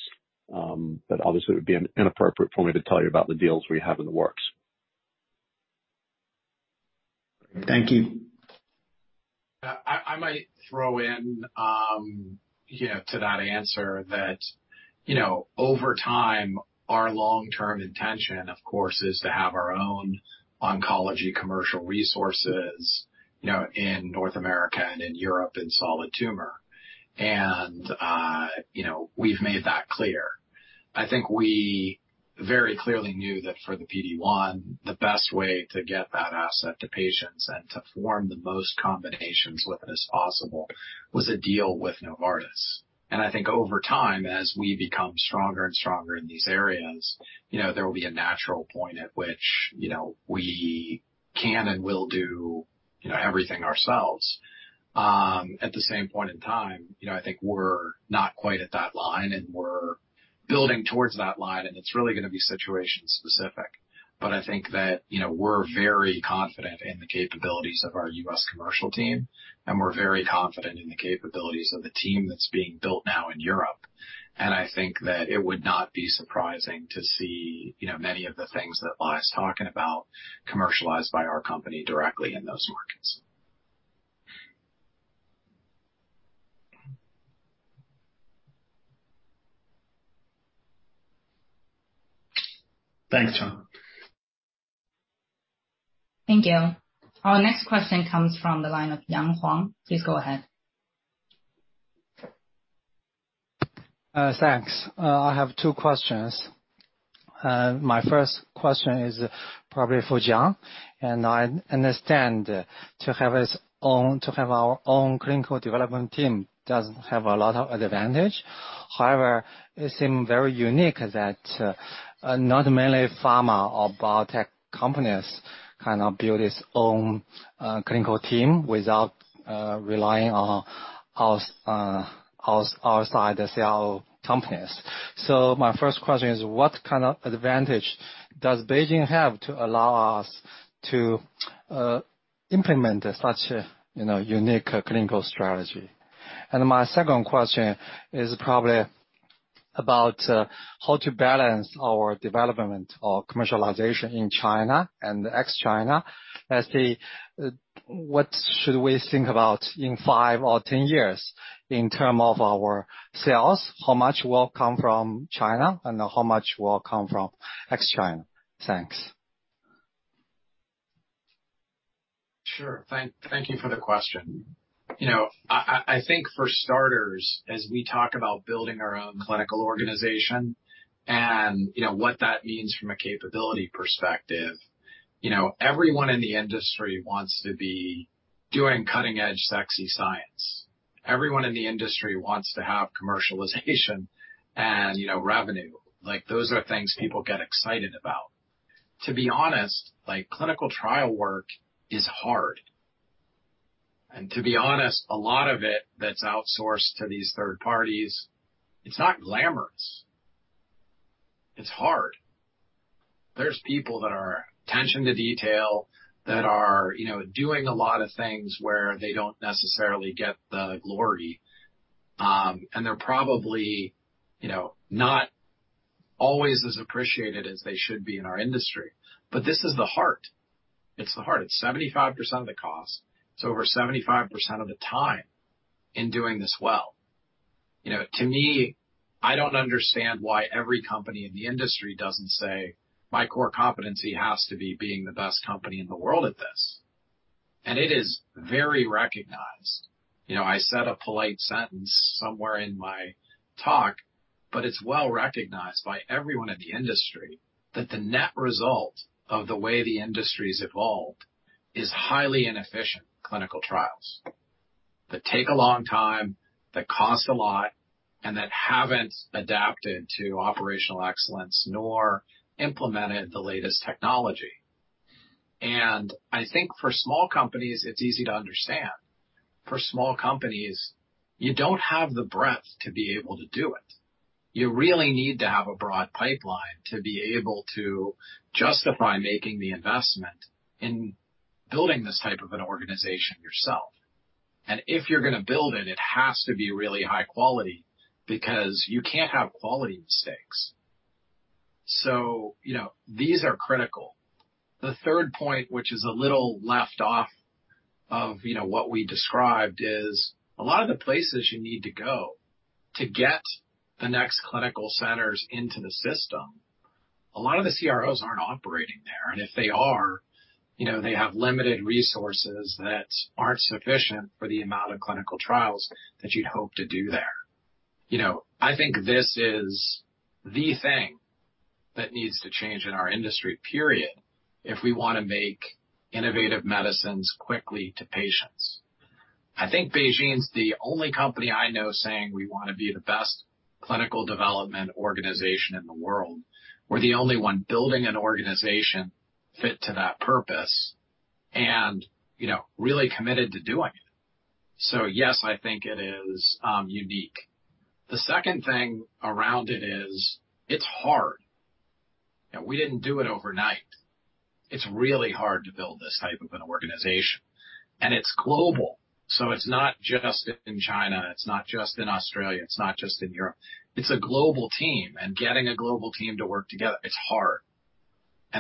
M: Obviously, it would be inappropriate for me to tell you about the deals we have in the works.
H: Thank you.
B: I might throw in to that answer that over time, our long-term intention, of course, is to have our own oncology commercial resources in North America and in Europe in solid tumor. We've made that clear. I think we very clearly knew that for the PD-1, the best way to get that asset to patients and to form the most combinations with it as possible was a deal with Novartis. I think over time, as we become stronger and stronger in these areas, there will be a natural point at which we can and will do everything ourselves. At the same point in time, I think we're not quite at that line, and we're building towards that line, and it's really going to be situation specific, but I think that we're very confident in the capabilities of our U.S. commercial team, and we're very confident in the capabilities of the team that's being built now in Europe. I think that it would not be surprising to see many of the things that Lai's talking about commercialized by our company directly in those markets.
L: Thanks, John.
A: Thank you. Our next question comes from the line of Yang Huang. Please go ahead.
N: Thanks. I have two questions. My first question is probably for John. I understand to have our own clinical development team does have a lot of advantage. However, it seems very unique that not many pharma or biotech companies build its own clinical team without relying on outside the CRO companies. My first question is, what kind of advantage does BeiGene have to allow us to implement such a unique clinical strategy? My second question is probably about how to balance our development or commercialization in China and ex-China. Let's say, what should we think about in five or 10 years in terms of our sales, how much will come from China and how much will come from ex-China? Thanks.
B: Sure. Thank you for the question. I think for starters, as we talk about building our own clinical organization and what that means from a capability perspective, everyone in the industry wants to be doing cutting edge sexy science. Everyone in the industry wants to have commercialization and revenue. Those are things people get excited about. To be honest, clinical trial work is hard. To be honest, a lot of it that's outsourced to these third parties, it's not glamorous. It's hard. There's people that are attention to detail, that are doing a lot of things where they don't necessarily get the glory. They're probably not always as appreciated as they should be in our industry. This is the heart. It's the heart. It's 75% of the cost. It's over 75% of the time in doing this well. To me, I don't understand why every company in the industry doesn't say, "My core competency has to be being the best company in the world at this." It is very recognized. I said a polite sentence somewhere in my talk, but it's well recognized by everyone in the industry that the net result of the way the industry's evolved is highly inefficient clinical trials that take a long time, that cost a lot, and that haven't adapted to operational excellence nor implemented the latest technology. I think for small companies, it's easy to understand. For small companies, you don't have the breadth to be able to do it. You really need to have a broad pipeline to be able to justify making the investment in building this type of an organization yourself. If you're going to build it has to be really high quality because you can't have quality mistakes. These are critical. The third point, which is a little left off of what we described, is a lot of the places you need to go to get the next clinical centers into the system, a lot of the CROs aren't operating there. If they are, they have limited resources that aren't sufficient for the amount of clinical trials that you'd hope to do there. I think this is the thing that needs to change in our industry, period, if we want to make innovative medicines quickly to patients. I think BeiGene is the only company I know saying we want to be the best clinical development organization in the world. We're the only one building an organization fit to that purpose and really committed to doing it. Yes, I think it is unique. The second thing around it is, it's hard. We didn't do it overnight. It's really hard to build this type of an organization. It's global. It's not just in China, it's not just in Australia, it's not just in Europe. It's a global team. Getting a global team to work together, it's hard.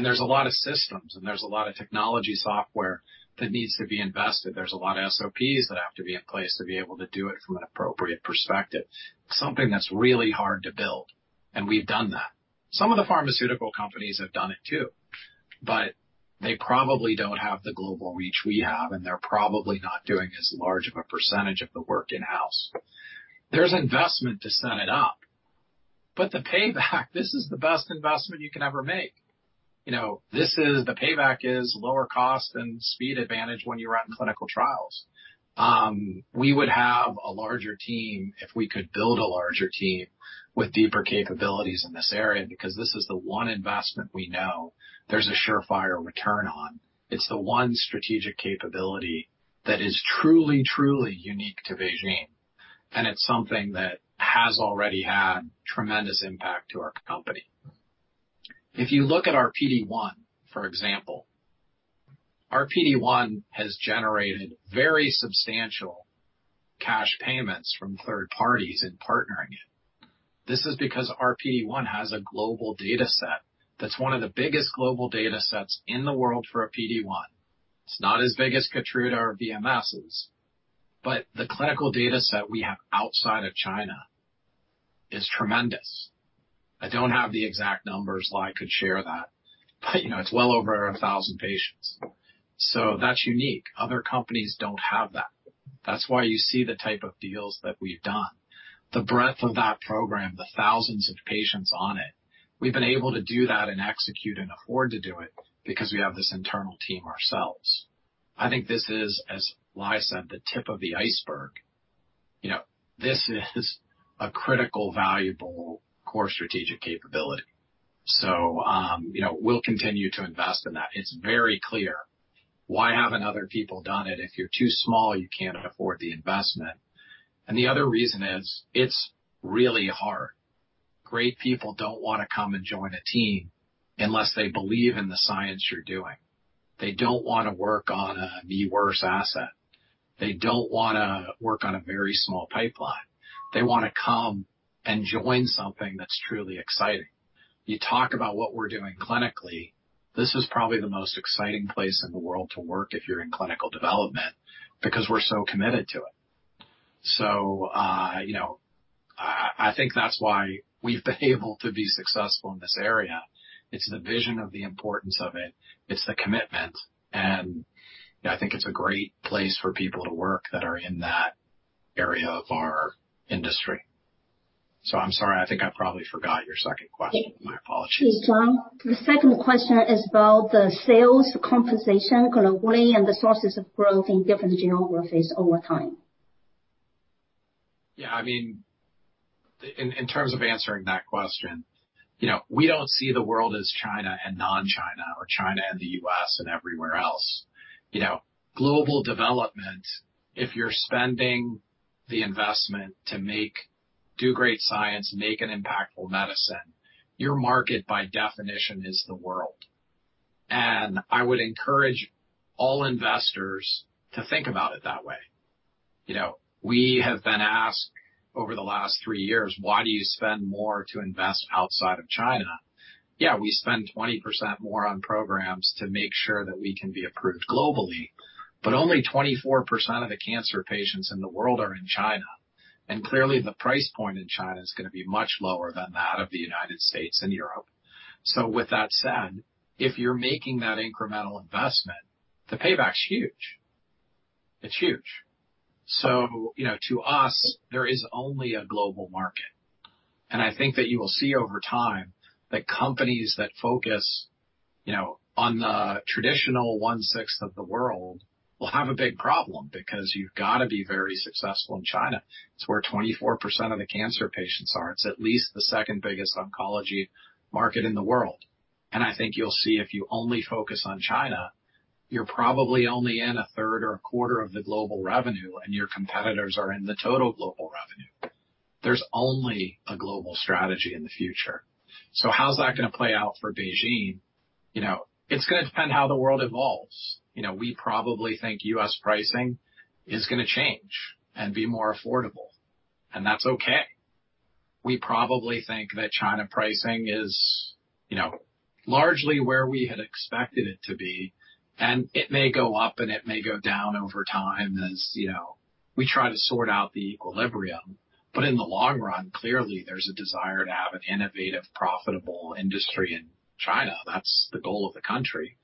B: There's a lot of systems and there's a lot of technology software that needs to be invested. There's a lot of SOPs that have to be in place to be able to do it from an appropriate perspective, something that's really hard to build, and we've done that. Some of the pharmaceutical companies have done it too, but they probably don't have the global reach we have, and they're probably not doing as large of a percentage of the work in-house. There's investment to set it up. The payback, this is the best investment you can ever make. The payback is lower cost and speed advantage when you run clinical trials. We would have a larger team if we could build a larger team with deeper capabilities in this area because this is the one investment we know there's a surefire return on. It's the one strategic capability that is truly unique to BeiGene, and it's something that has already had tremendous impact to our company. If you look at our PD-1, for example, our PD-1 has generated very substantial cash payments from third parties in partnering it. This is because our PD-1 has a global data set that's one of the biggest global data sets in the world for a PD-1. It's not as big as KEYTRUDA or BMS's, but the clinical data set we have outside of China is tremendous. I don't have the exact numbers, Lai, could share that, but it's well over 1,000 patients. That's unique. Other companies don't have that. That's why you see the type of deals that we've done. The breadth of that program, the thousands of patients on it, we've been able to do that and execute and afford to do it because we have this internal team ourselves. I think this is, as Lai said, the tip of the iceberg. This is a critical, valuable core strategic capability. We'll continue to invest in that. It's very clear. Why haven't other people done it? If you're too small, you can't afford the investment. The other reason is, it's really hard. Great people don't want to come and join a team unless they believe in the science you're doing. They don't want to work on a B worse asset. They don't want to work on a very small pipeline. They want to come and join something that's truly exciting. You talk about what we're doing clinically, this is probably the most exciting place in the world to work if you're in clinical development because we're so committed to it. I think that's why we've been able to be successful in this area. It's the vision of the importance of it. It's the commitment, and I think it's a great place for people to work that are in that area of our industry. I'm sorry, I think I probably forgot your second question. My apologies.
A: Sure. The second question is about the sales compensation globally and the sources of growth in different geographies over time.
B: In terms of answering that question, we don't see the world as China and non-China or China and the U.S. and everywhere else. Global development, if you're spending the investment to do great science, make an impactful medicine, your market by definition is the world. I would encourage all investors to think about it that way. We have been asked over the last three years, why do you spend more to invest outside of China? We spend 20% more on programs to make sure that we can be approved globally, but only 24% of the cancer patients in the world are in China. Clearly, the price point in China is going to be much lower than that of the United States and Europe. With that said, if you're making that incremental investment, the payback's huge. It's huge. To us, there is only a global market. I think that you will see over time that companies that focus on the traditional one-sixth of the world will have a big problem because you've got to be very successful in China. It's where 24% of the cancer patients are. It's at least the second-biggest oncology market in the world. I think you'll see if you only focus on China, you're probably only in a third or a quarter of the global revenue, and your competitors are in the total global revenue. There's only a global strategy in the future. How's that going to play out for BeiGene? It's going to depend how the world evolves. We probably think U.S. pricing is going to change and be more affordable, and that's okay. We probably think that China pricing is largely where we had expected it to be, and it may go up and it may go down over time as we try to sort out the equilibrium. In the long run, clearly, there's a desire to have an innovative, profitable industry in China. That's the goal of the country.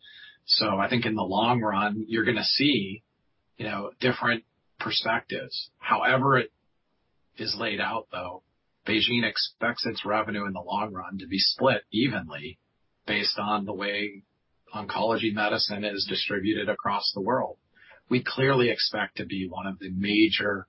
B: I think in the long run, you're going to see different perspectives. However it is laid out, though, BeiGene expects its revenue in the long run to be split evenly based on the way oncology medicine is distributed across the world. We clearly expect to be one of the major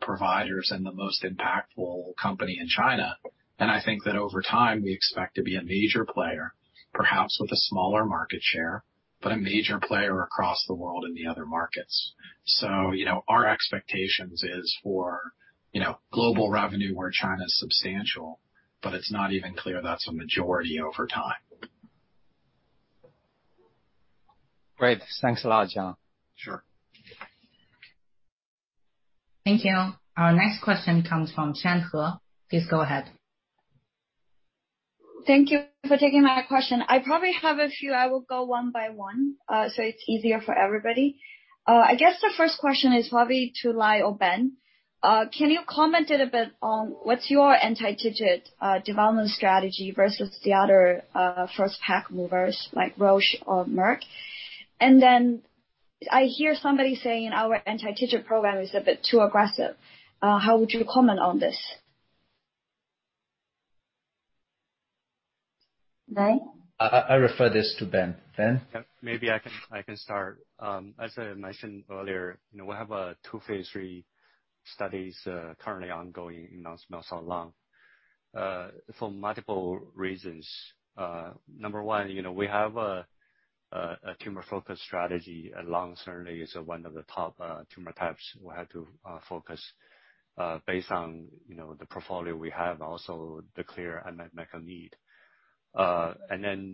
B: providers and the most impactful company in China. I think that over time, we expect to be a major player, perhaps with a smaller market share, but a major player across the world in the other markets. Our expectations is for global revenue where China is substantial, but it's not even clear that's a majority over time.
N: Great. Thanks a lot, John.
B: Sure.
A: Thank you. Our next question comes from Chan Hur. Please go ahead.
O: Thank you for taking my question. I probably have a few. I will go one by one, so it's easier for everybody. I guess the first question is probably to Ly or Ben. Can you comment a bit on what's your anti-TIGIT development strategy versus the other first pack movers like Roche or Merck? I hear somebody saying our anti-TIGIT program is a bit too aggressive. How would you comment on this?
H: Ben? I refer this to Ben. Ben?
F: Maybe I can start. As I mentioned earlier, we have two phase III studies currently ongoing in non-small cell lung. For multiple reasons. Number 1, we have a tumor-focused strategy. Lung certainly is one of the top tumor types we had to focus based on the portfolio we have, also the clear and medical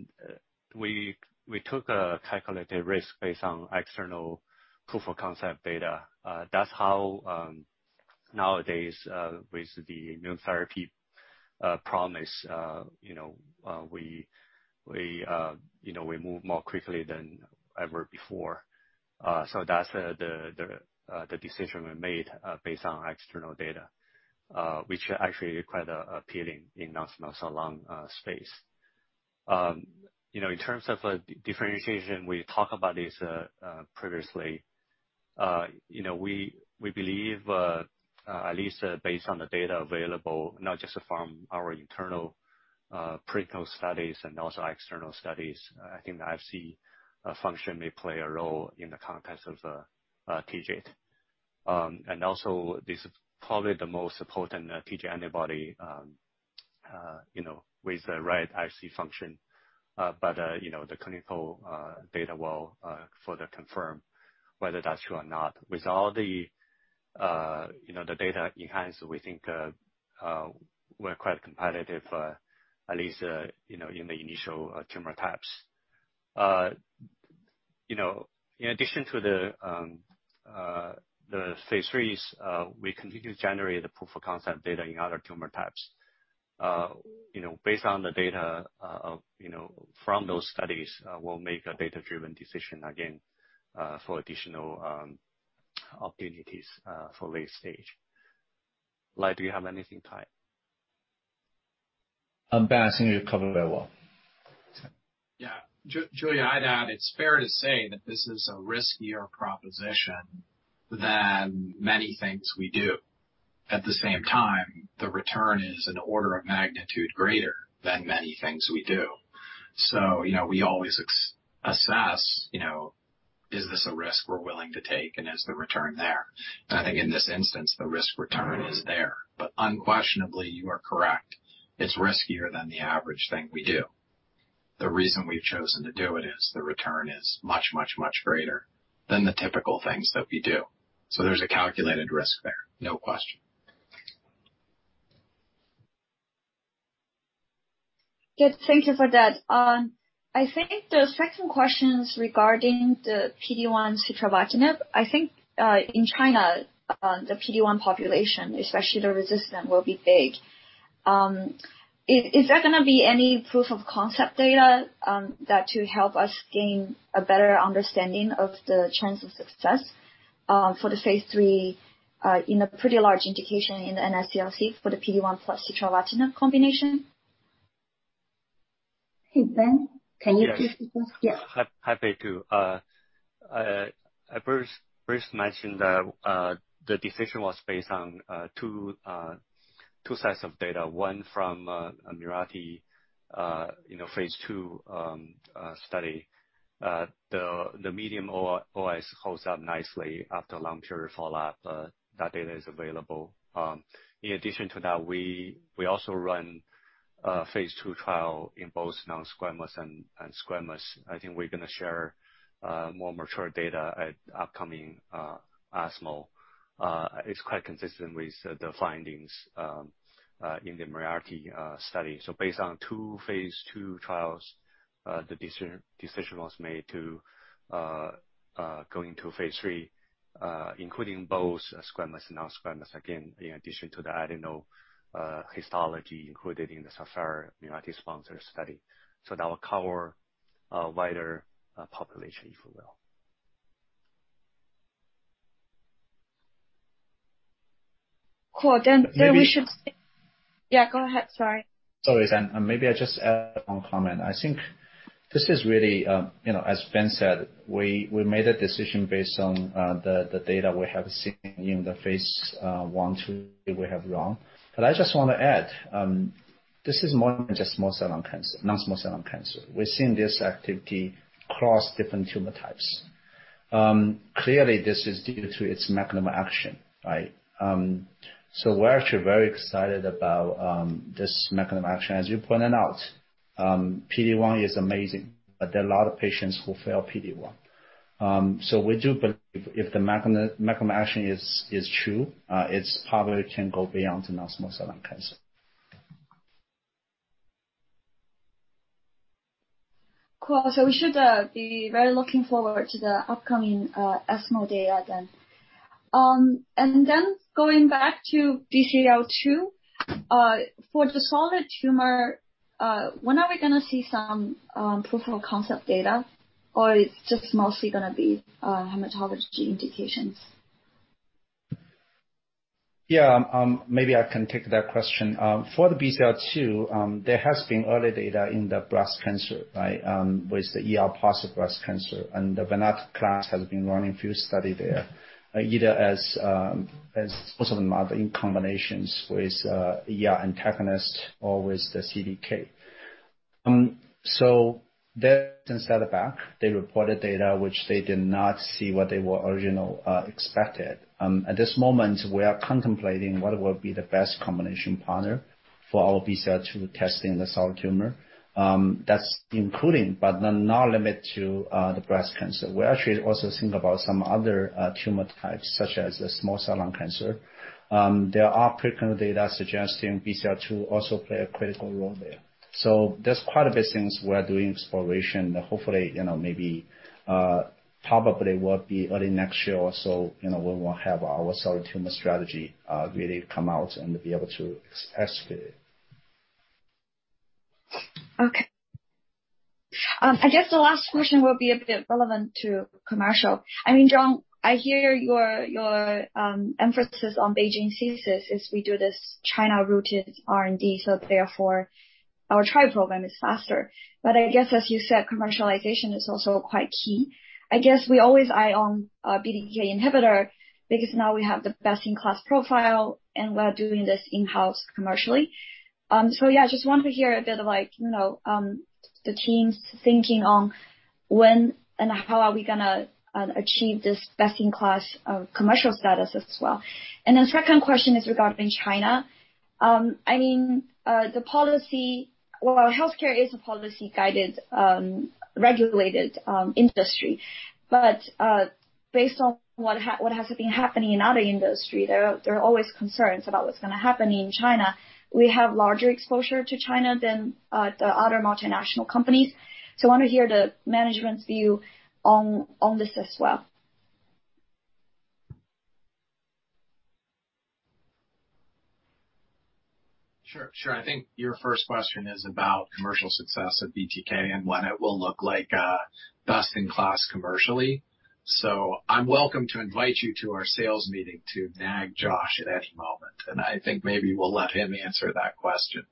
F: need. We took a calculated risk based on external proof of concept data. That's how, nowadays, with the new therapy promise, we move more quickly than ever before. That's the decision we made based on external data, which actually is quite appealing in non-small cell lung space. In terms of differentiation, we talked about this previously. We believe, at least based on the data available, not just from our internal clinical studies and also external studies, I think the IC function may play a role in the context of TIGIT. This is probably the most potent TIGIT antibody with the right IC function. The clinical data will further confirm whether that's true or not. With all the data in hand, we think we're quite competitive, at least in the initial tumor types. In addition to the phase IIIs, we continue to generate the proof of concept data in other tumor types. Based on the data from those studies, we'll make a data-driven decision again for additional opportunities for late stage. Lai, do you have anything to add?
D: Angus, you covered that well.
F: Okay.
B: Yeah. Julia, I'd add, it's fair to say that this is a riskier proposition than many things we do. At the same time, the return is an order of magnitude greater than many things we do. We always assess, is this a risk we're willing to take and is the return there? I think in this instance, the risk-return is there. Unquestionably, you are correct. It's riskier than the average thing we do. The reason we've chosen to do it is the return is much, much, much greater than the typical things that we do. There's a calculated risk there, no question.
O: Good. Thank you for that. I think the second question is regarding the PD-1 sitravatinib. I think in China, the PD-1 population, especially the resistant, will be big. Is there going to be any proof of concept data that to help us gain a better understanding of the chance of success for the phase III, in a pretty large indication in NSCLC for the PD-1 plus sitravatinib combination? Hey, Ben, can you please respond? Yeah.
F: Happy to. I first mentioned the decision was based on two sets of data. One from Mirati Therapeutics, phase II study. The medium OS holds up nicely after long period follow-up. That data is available. In addition to that, we also run phase II trial in both non-squamous and squamous. I think we're going to share more mature data at upcoming ESMO. It's quite consistent with the findings in the Mirati Therapeutics study. Based on two phase II trials, the decision was made to go into phase III including both squamous and non-squamous, again, in addition to the adenocarcinoma histology included in the SAPPHIRE Mirati Therapeutics-sponsored study. That will cover a wider population, if you will.
O: Cool, we should Yeah, go ahead. Sorry.
D: Sorry. Maybe I just add one comment. I think this is really, as Ben said, we made a decision based on the data we have seen in the phase I, II we have run. I just want to add, this is more than just non-small cell lung cancer. We're seeing this activity across different tumor types. Clearly, this is due to its mechanism action, right? We're actually very excited about this mechanism action. As you pointed out, PD-1 is amazing, but there are a lot of patients who fail PD-1. We do believe if the mechanism action is true, it probably can go beyond non-small cell lung cancer.
O: Cool. We should be very looking forward to the upcoming ESMO data then. Going back to BCL-2. For the solid tumor, when are we going to see some proof of concept data? Or it's just mostly going to be hematology indications?
D: Yeah. Maybe I can take that question. For the BCL-2, there has been early data in the breast cancer with the ER-positive breast cancer, and venetoclax has been running few study there, either as possible in combinations with ER antagonist or with the CDK. They step back, they reported data which they did not see what they were original expected. At this moment, we are contemplating what will be the best combination partner for our BCL-2 test in the solid tumor. That's including, but not limit to, the breast cancer. We actually also think about some other tumor types, such as small cell lung cancer. There are preclinical data suggesting BCL-2 also play a critical role there. There's quite a bit since we're doing exploration. Hopefully, maybe, probably will be early next year or so, we will have our solid tumor strategy really come out and be able to escalate.
O: Okay. I guess the last question will be a bit relevant to commercial. I mean, John, I hear your emphasis on BeiGene thesis is we do this China-rooted R&D, therefore our trial program is faster. I guess as you said, commercialization is also quite key. I guess we always eye on BTK inhibitor because now we have the best-in-class profile and we are doing this in-house commercially. Yeah, I just want to hear a bit of the team's thinking on when and how are we going to achieve this best-in-class commercial status as well. The second question is regarding China. Healthcare is a policy guided, regulated industry. Based on what has been happening in other industry, there are always concerns about what's going to happen in China. We have larger exposure to China than the other multinational companies. I want to hear the management's view on this as well.
B: Sure. I think your first question is about commercial success at BTK and when it will look like best in class commercially. I'm welcome to invite you to our sales meeting to nag Josh at any moment, I think maybe we'll let him answer that question.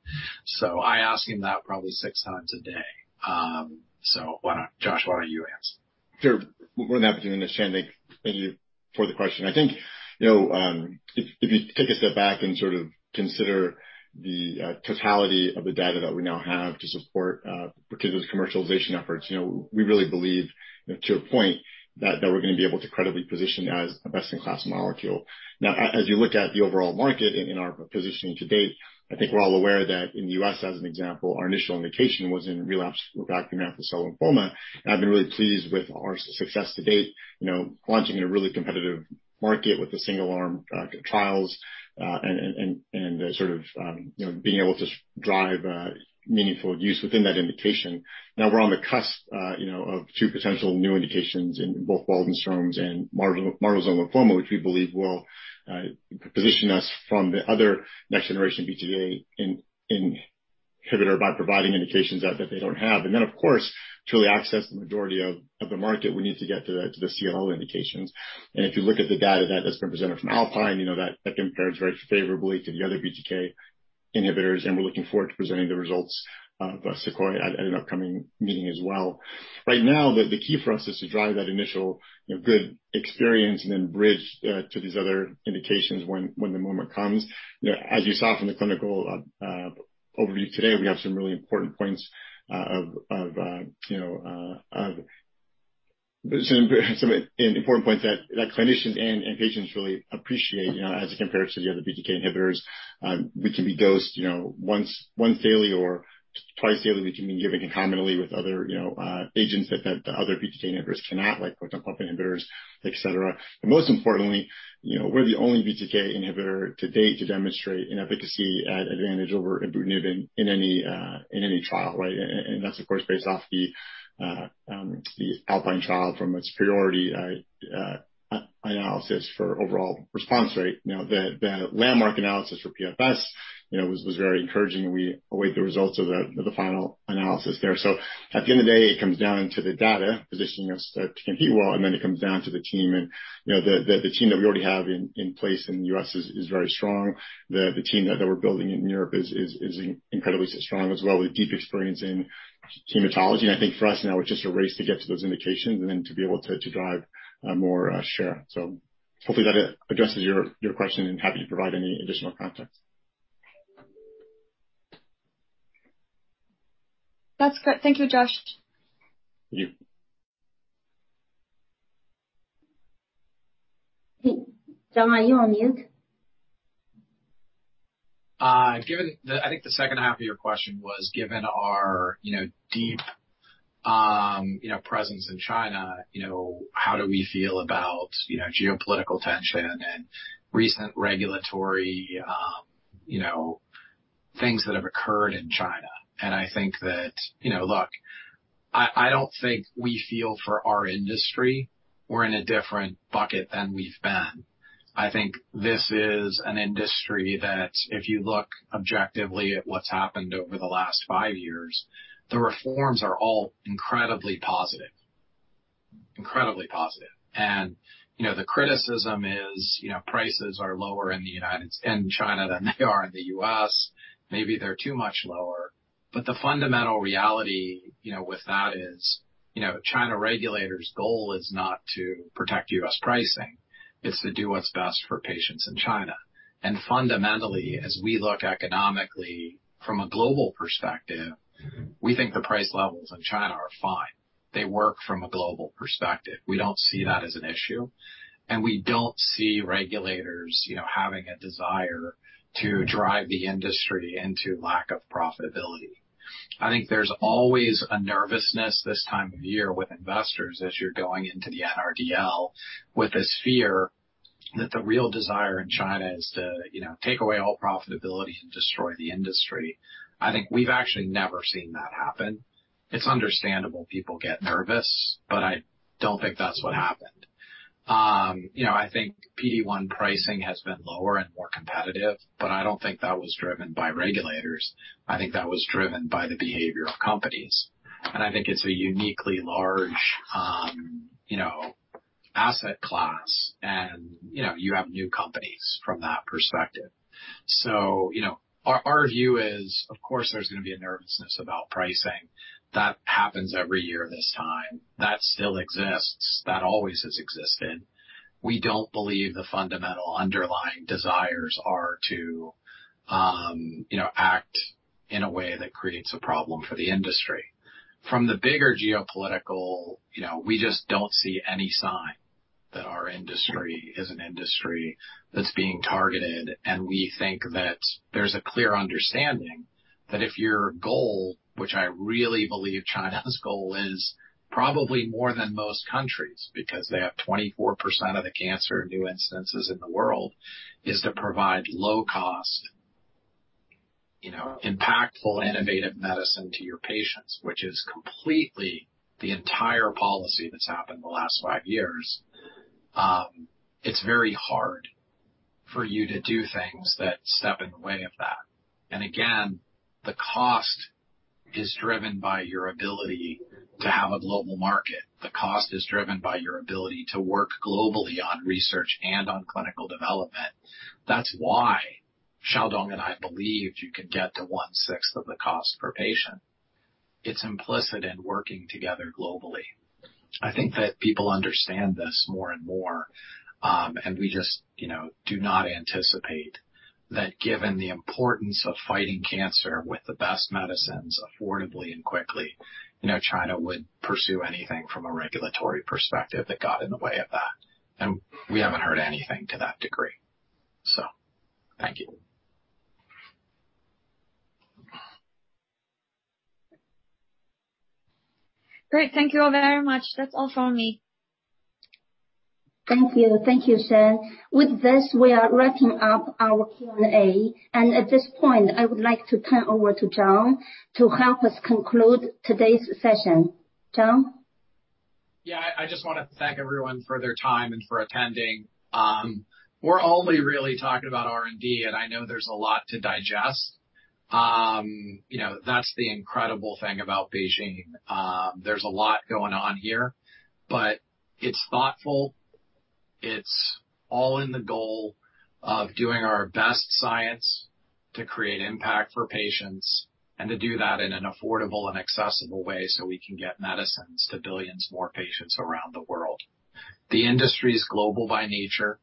B: I ask him that probably six times a day. Josh, why don't you answer?
P: Sure. More than happy to. Shandy, thank you for the question. I think, if you take a step back and sort of consider the totality of the data that we now have to support particular commercialization efforts, we really believe, to a point, that we're going to be able to credibly position as a best-in-class molecule. As you look at the overall market and our positioning to date, I think we're all aware that in the U.S., as an example, our initial indication was in relapse/refractory mantle cell lymphoma, I've been really pleased with our success to date, launching in a really competitive market with the single-arm trials, and sort of being able to drive meaningful use within that indication. We're on the cusp of two potential new indications in both Waldenstrom's and marginal zone lymphoma, which we believe will position us from the other next generation BTK inhibitor by providing indications that they don't have. Then of course, to really access the majority of the market, we need to get to the CLL indications. If you look at the data that's been presented from ALPINE, that compares very favorably to the other BTK inhibitors, we're looking forward to presenting the results of SEQUOIA at an upcoming meeting as well. Right now, the key for us is to drive that initial good experience and then bridge to these other indications when the moment comes. As you saw from the clinical overview today, we have some really important points that clinicians and patients really appreciate, as compared to the other BTK inhibitors, which can be dosed once daily or twice daily, which can be given concomitantly with other agents that the other BTK inhibitors cannot, like protein pump inhibitors, et cetera. Most importantly, we're the only BTK inhibitor to date to demonstrate an efficacy at advantage over ibrutinib in any trial. That's of course based off the ALPINE trial from its priority analysis for overall response rate. The landmark analysis for PFS was very encouraging, we await the results of the final analysis there. At the end of the day, it comes down to the data positioning us to compete well, then it comes down to the team. The team that we already have in place in the U.S. is very strong. The team that we're building in Europe is incredibly strong as well, with deep experience in hematology. I think for us now, it's just a race to get to those indications and then to be able to drive more share. Hopefully that addresses your question and happy to provide any additional context.
O: That's great. Thank you, Josh.
P: Thank you.
O: John, are you on mute?
B: I think the second half of your question was given our deep presence in China, how do we feel about geopolitical tension and recent regulatory things that have occurred in China? I think that, look, I don't think we feel for our industry we're in a different bucket than we've been. I think this is an industry that if you look objectively at what's happened over the last five years, the reforms are all incredibly positive. Incredibly positive. The criticism is prices are lower in China than they are in the U.S. Maybe they're too much lower. The fundamental reality with that is, China regulators' goal is not to protect U.S. pricing. It's to do what's best for patients in China. Fundamentally, as we look economically from a global perspective, we think the price levels in China are fine. They work from a global perspective. We don't see that as an issue, we don't see regulators having a desire to drive the industry into lack of profitability. I think there's always a nervousness this time of year with investors as you're going into the NRDL, with this fear that the real desire in China is to take away all profitability and destroy the industry. I think we've actually never seen that happen. It's understandable people get nervous, I don't think that's what happened. I think PD-1 pricing has been lower and more competitive, I don't think that was driven by regulators. I think that was driven by the behavior of companies, I think it's a uniquely large asset class and you have new companies from that perspective. Our view is, of course, there's going to be a nervousness about pricing. That happens every year this time. That still exists. That always has existed. We don't believe the fundamental underlying desires are to act in a way that creates a problem for the industry. From the bigger geopolitical, we just don't see any sign that our industry is an industry that's being targeted, we think that there's a clear understanding that if your goal, which I really believe China's goal is probably more than most countries, because they have 24% of the cancer new instances in the world, is to provide low cost, impactful, innovative medicine to your patients, which is completely the entire policy that's happened the last five years. It's very hard for you to do things that step in the way of that. Again, the cost is driven by your ability to have a global market. The cost is driven by your ability to work globally on research and on clinical development. That's why Xiaodong and I believed you could get to one sixth of the cost per patient. It's implicit in working together globally. I think that people understand this more and more. We just do not anticipate that given the importance of fighting cancer with the best medicines affordably and quickly, China would pursue anything from a regulatory perspective that got in the way of that. We haven't heard anything to that degree. Thank you.
O: Great. Thank you all very much. That's all from me.
H: Thank you. Thank you, Shen. With this, we are wrapping up our Q&A. At this point, I would like to turn over to John to help us conclude today's session. John?
B: Yeah. I just want to thank everyone for their time and for attending. We're only really talking about R&D, and I know there's a lot to digest. That's the incredible thing about BeOne Medicines. There's a lot going on here, but it's thoughtful. It's all in the goal of doing our best science to create impact for patients and to do that in an affordable and accessible way so we can get medicines to billions more patients around the world. The industry is global by nature.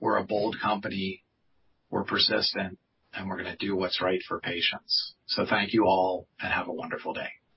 B: We're a bold company, we're persistent, and we're going to do what's right for patients. Thank you all, and have a wonderful day.